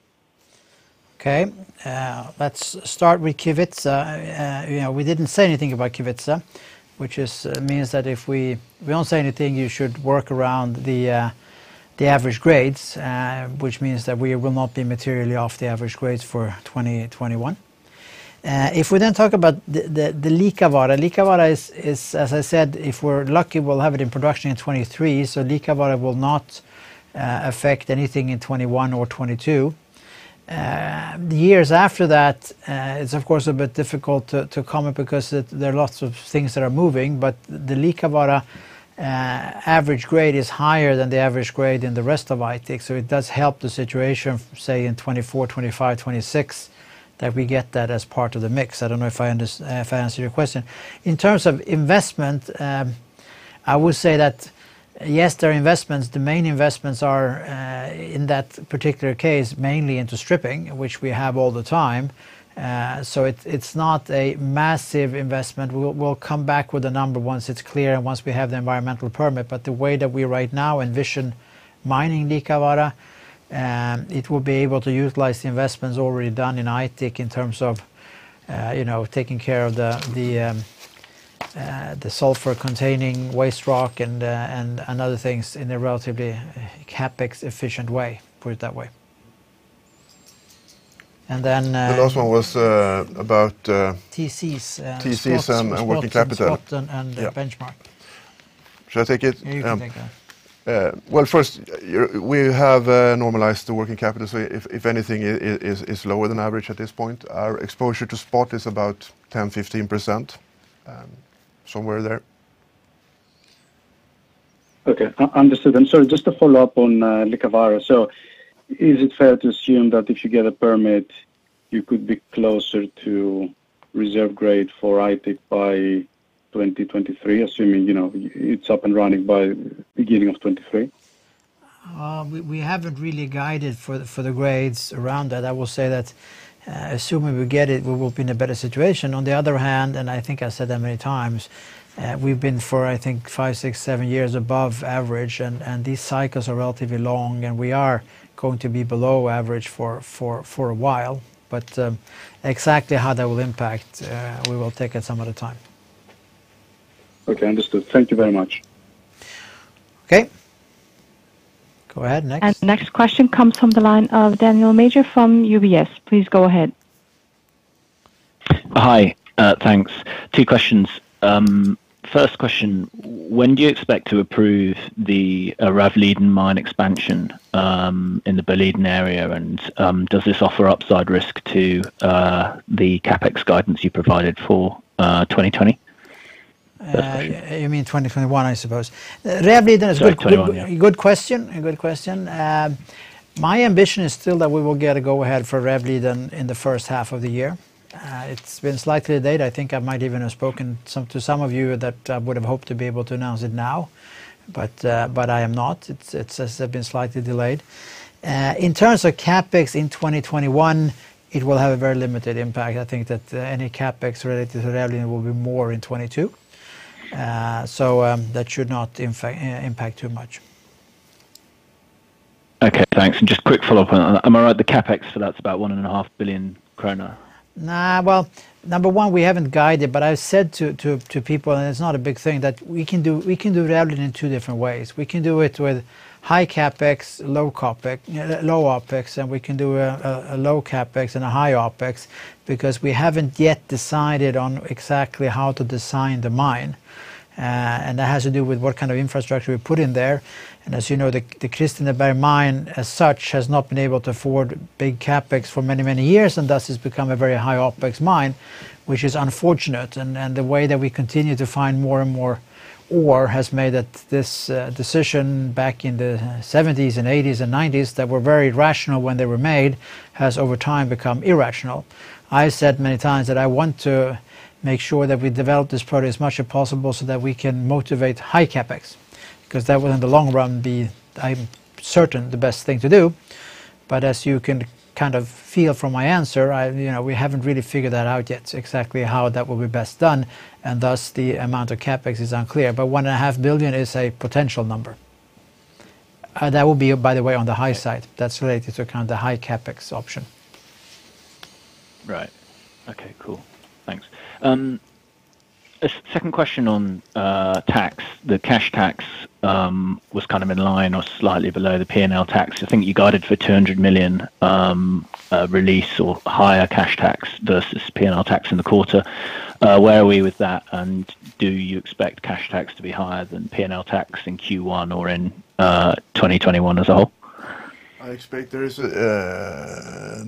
Let's start with Kevitsa. We didn't say anything about Kevitsa, which means that if we don't say anything, you should work around the average grades, which means that we will not be materially off the average grades for 2021. If we talk about the Liikavaara. Liikavaara is, as I said, if we're lucky, we'll have it in production in 2023, so Liikavaara will not affect anything in 2021 or 2022. The years after that, it's of course a bit difficult to comment because there are lots of things that are moving, but the Liikavaara average grade is higher than the average grade in the rest of Aitik, so it does help the situation, say in 2024, 2025, 2026, that we get that as part of the mix. I don't know if I answered your question. In terms of investment, I would say that yes, there are investments. The main investments are, in that particular case, mainly into stripping, which we have all the time. It's not a massive investment. We'll come back with a number once it's clear and once we have the environmental permit. The way that we right now envision mining Liikavaara, it will be able to utilize the investments already done in Aitik in terms of taking care of the sulfur-containing waste rock and other things in a relatively CapEx-efficient way. Put it that way. The last one was about. TCs TCs and working capital spot and benchmark. Should I take it? You can take that. Well, first, we have normalized the working capital, so if anything, it is lower than average at this point. Our exposure to spot is about 10%, 15%, somewhere there. Understood. Just to follow up on Liikavaara. Is it fair to assume that if you get a permit, you could be closer to reserve grade for Aitik by 2023, assuming it's up and running by beginning of 2023? We haven't really guided for the grades around that. I will say that assuming we get it, we will be in a better situation. On the other hand, I think I said that many times, we've been for, I think, five, six, seven years above average, and these cycles are relatively long, and we are going to be below average for a while. Exactly how that will impact, we will take at some other time. Okay, understood. Thank you very much. Okay. Go ahead. Next. The next question comes from the line of Daniel Major from UBS. Please go ahead. Hi. Thanks. Two questions. First question, when do you expect to approve the Rävliden mine expansion in the Boliden area? Does this offer upside risk to the CapEx guidance you provided for 2020? That's the question. You mean 2021, I suppose. 2021, yeah. Rävliden is a good question. My ambition is still that we will get a go-ahead for Rävliden in the first half of the year. It's been slightly delayed. I think I might even have spoken to some of you that I would have hoped to be able to announce it now, but I am not. It has been slightly delayed. In terms of CapEx in 2021, it will have a very limited impact. I think that any CapEx related to Rävliden will be more in 2022. That should not impact too much. Okay, thanks. Just quick follow-up on that. Am I right, the CapEx for that's about 1.5 billion kronor? No. Well, number one, we haven't guided, but I've said to people, and it's not a big thing, that we can do Rävliden in two different ways. We can do it with high CapEx, low OpEx, and we can do a low CapEx and a high OpEx because we haven't yet decided on exactly how to design the mine. That has to do with what kind of infrastructure we put in there. As you know, the Kristineberg mine, as such, has not been able to afford big CapEx for many, many years, and thus has become a very high OpEx mine, which is unfortunate. The way that we continue to find more and more ore has made it this decision back in the 1970s and 1980s and 1990s that were very rational when they were made, has, over time, become irrational. I said many times that I want to make sure that we develop this product as much as possible so that we can motivate high CapEx, because that will, in the long run, be, I'm certain, the best thing to do. As you can kind of feel from my answer, we haven't really figured that out yet exactly how that will be best done, and thus the amount of CapEx is unclear. 1.5 billion is a potential number. That will be, by the way, on the high side. That's related to kind of the high CapEx option. Right. Okay, cool. Thanks. Second question on tax. The cash tax was kind of in line or slightly below the P&L tax. I think you guided for 200 million release or higher cash tax versus P&L tax in the quarter. Where are we with that? Do you expect cash tax to be higher than P&L tax in Q1 or in 2021 as a whole? I expect there is a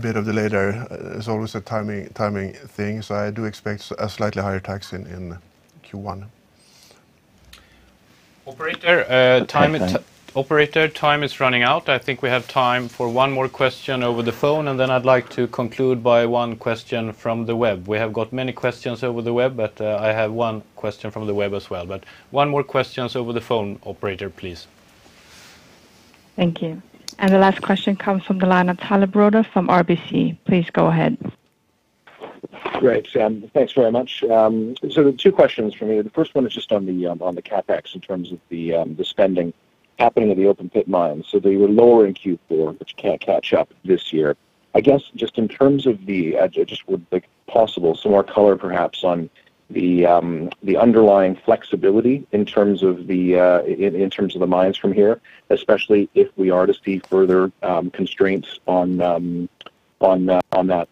bit of delay there. There's always a timing thing, so I do expect a slightly higher tax in Q1. Okay, thanks. Operator, time is running out. I think we have time for one more question over the phone, then I'd like to conclude by one question from the web. We have got many questions over the web, I have one question from the web as well. One more questions over the phone, operator, please. Thank you. The last question comes from the line of Tyler Broda from RBC. Please go ahead. Great. [Sam], thanks very much. Two questions from me. The first one is just on the CapEx in terms of the spending happening at the open pit mines. They were lower in Q4, which can't catch up this year. I guess, just in terms of the I just would like, if possible, some more color perhaps on the underlying flexibility in terms of the mines from here, especially if we are to see further constraints on that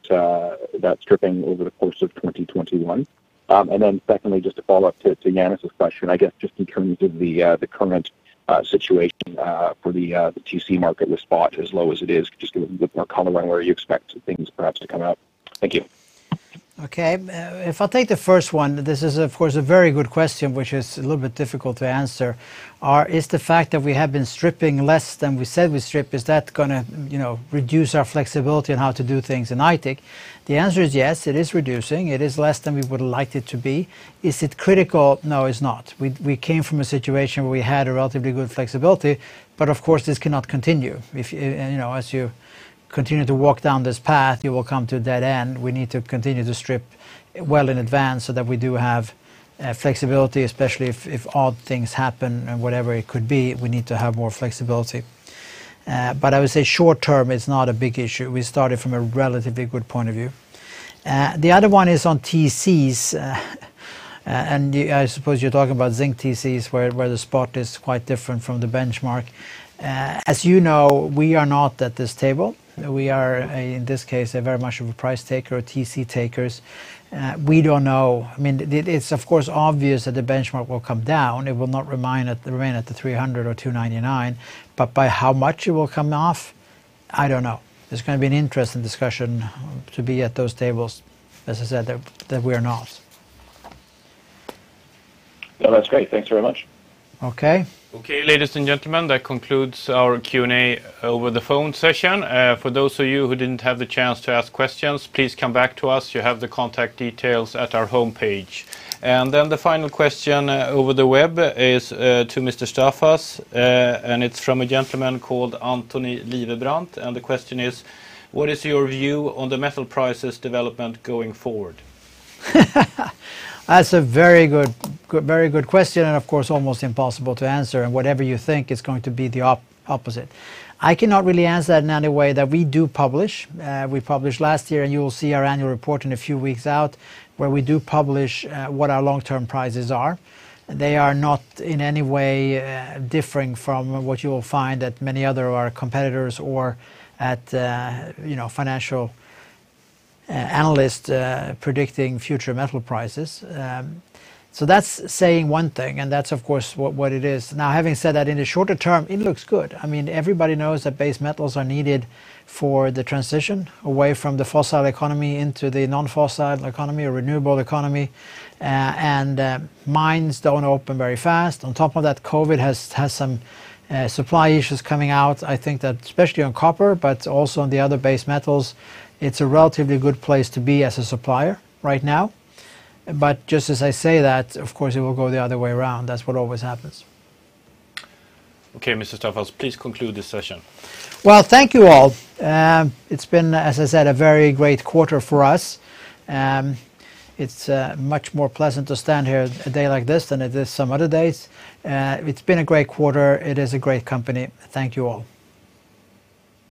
stripping over the course of 2021. Secondly, just to follow up to Ioannis question, I guess, just in terms of the current situation for the TC market with spot as low as it is, could you just give a bit more color on where you expect things perhaps to come out? Thank you. Okay. If I take the first one, this is, of course, a very good question, which is a little bit difficult to answer. Is the fact that we have been stripping less than we said we'd strip, is that going to reduce our flexibility on how to do things in Aitik? The answer is yes, it is reducing. It is less than we would like it to be. Is it critical? No, it's not. We came from a situation where we had a relatively good flexibility, but of course, this cannot continue. As you continue to walk down this path, you will come to a dead end. We need to continue to strip well in advance so that we do have flexibility, especially if odd things happen and whatever it could be, we need to have more flexibility. I would say short-term, it's not a big issue. We started from a relatively good point of view. The other one is on TCs, and I suppose you're talking about zinc TCs, where the spot is quite different from the benchmark. As you know, we are not at this table. We are, in this case, very much of a price taker or TC takers. We don't know. It's of course obvious that the benchmark will come down. It will not remain at the 300 or 299. By how much it will come off, I don't know. It's going to be an interesting discussion to be at those tables. As I said, that we are not. No, that's great. Thanks very much. Okay. Okay, ladies and gentlemen, that concludes our Q&A over the phone session. For those of you who didn't have the chance to ask questions, please come back to us. You have the contact details at our homepage. The final question over the web is to Mr. Staffas, and it's from a gentleman called Anthony Livebrant. The question is, what is your view on the metal prices development going forward? That's a very good question, and of course, almost impossible to answer, and whatever you think is going to be the opposite. I cannot really answer that in any way that we do publish. We published last year, and you will see our annual report in a few weeks out where we do publish what our long-term prices are. They are not in any way differing from what you will find at many other of our competitors or at financial analysts predicting future metal prices. That's saying one thing, and that's of course what it is. Having said that, in the shorter term, it looks good. Everybody knows that base metals are needed for the transition away from the fossil economy into the non-fossil economy or renewable economy, and mines don't open very fast. On top of that, COVID has some supply issues coming out. I think that especially on copper, but also on the other base metals, it's a relatively good place to be as a supplier right now. Just as I say that, of course, it will go the other way around. That's what always happens. Okay, Mr. Staffas, please conclude this session. Well, thank you all. It's been, as I said, a very great quarter for us. It's much more pleasant to stand here a day like this than it is some other days. It's been a great quarter. It is a great company. Thank you all.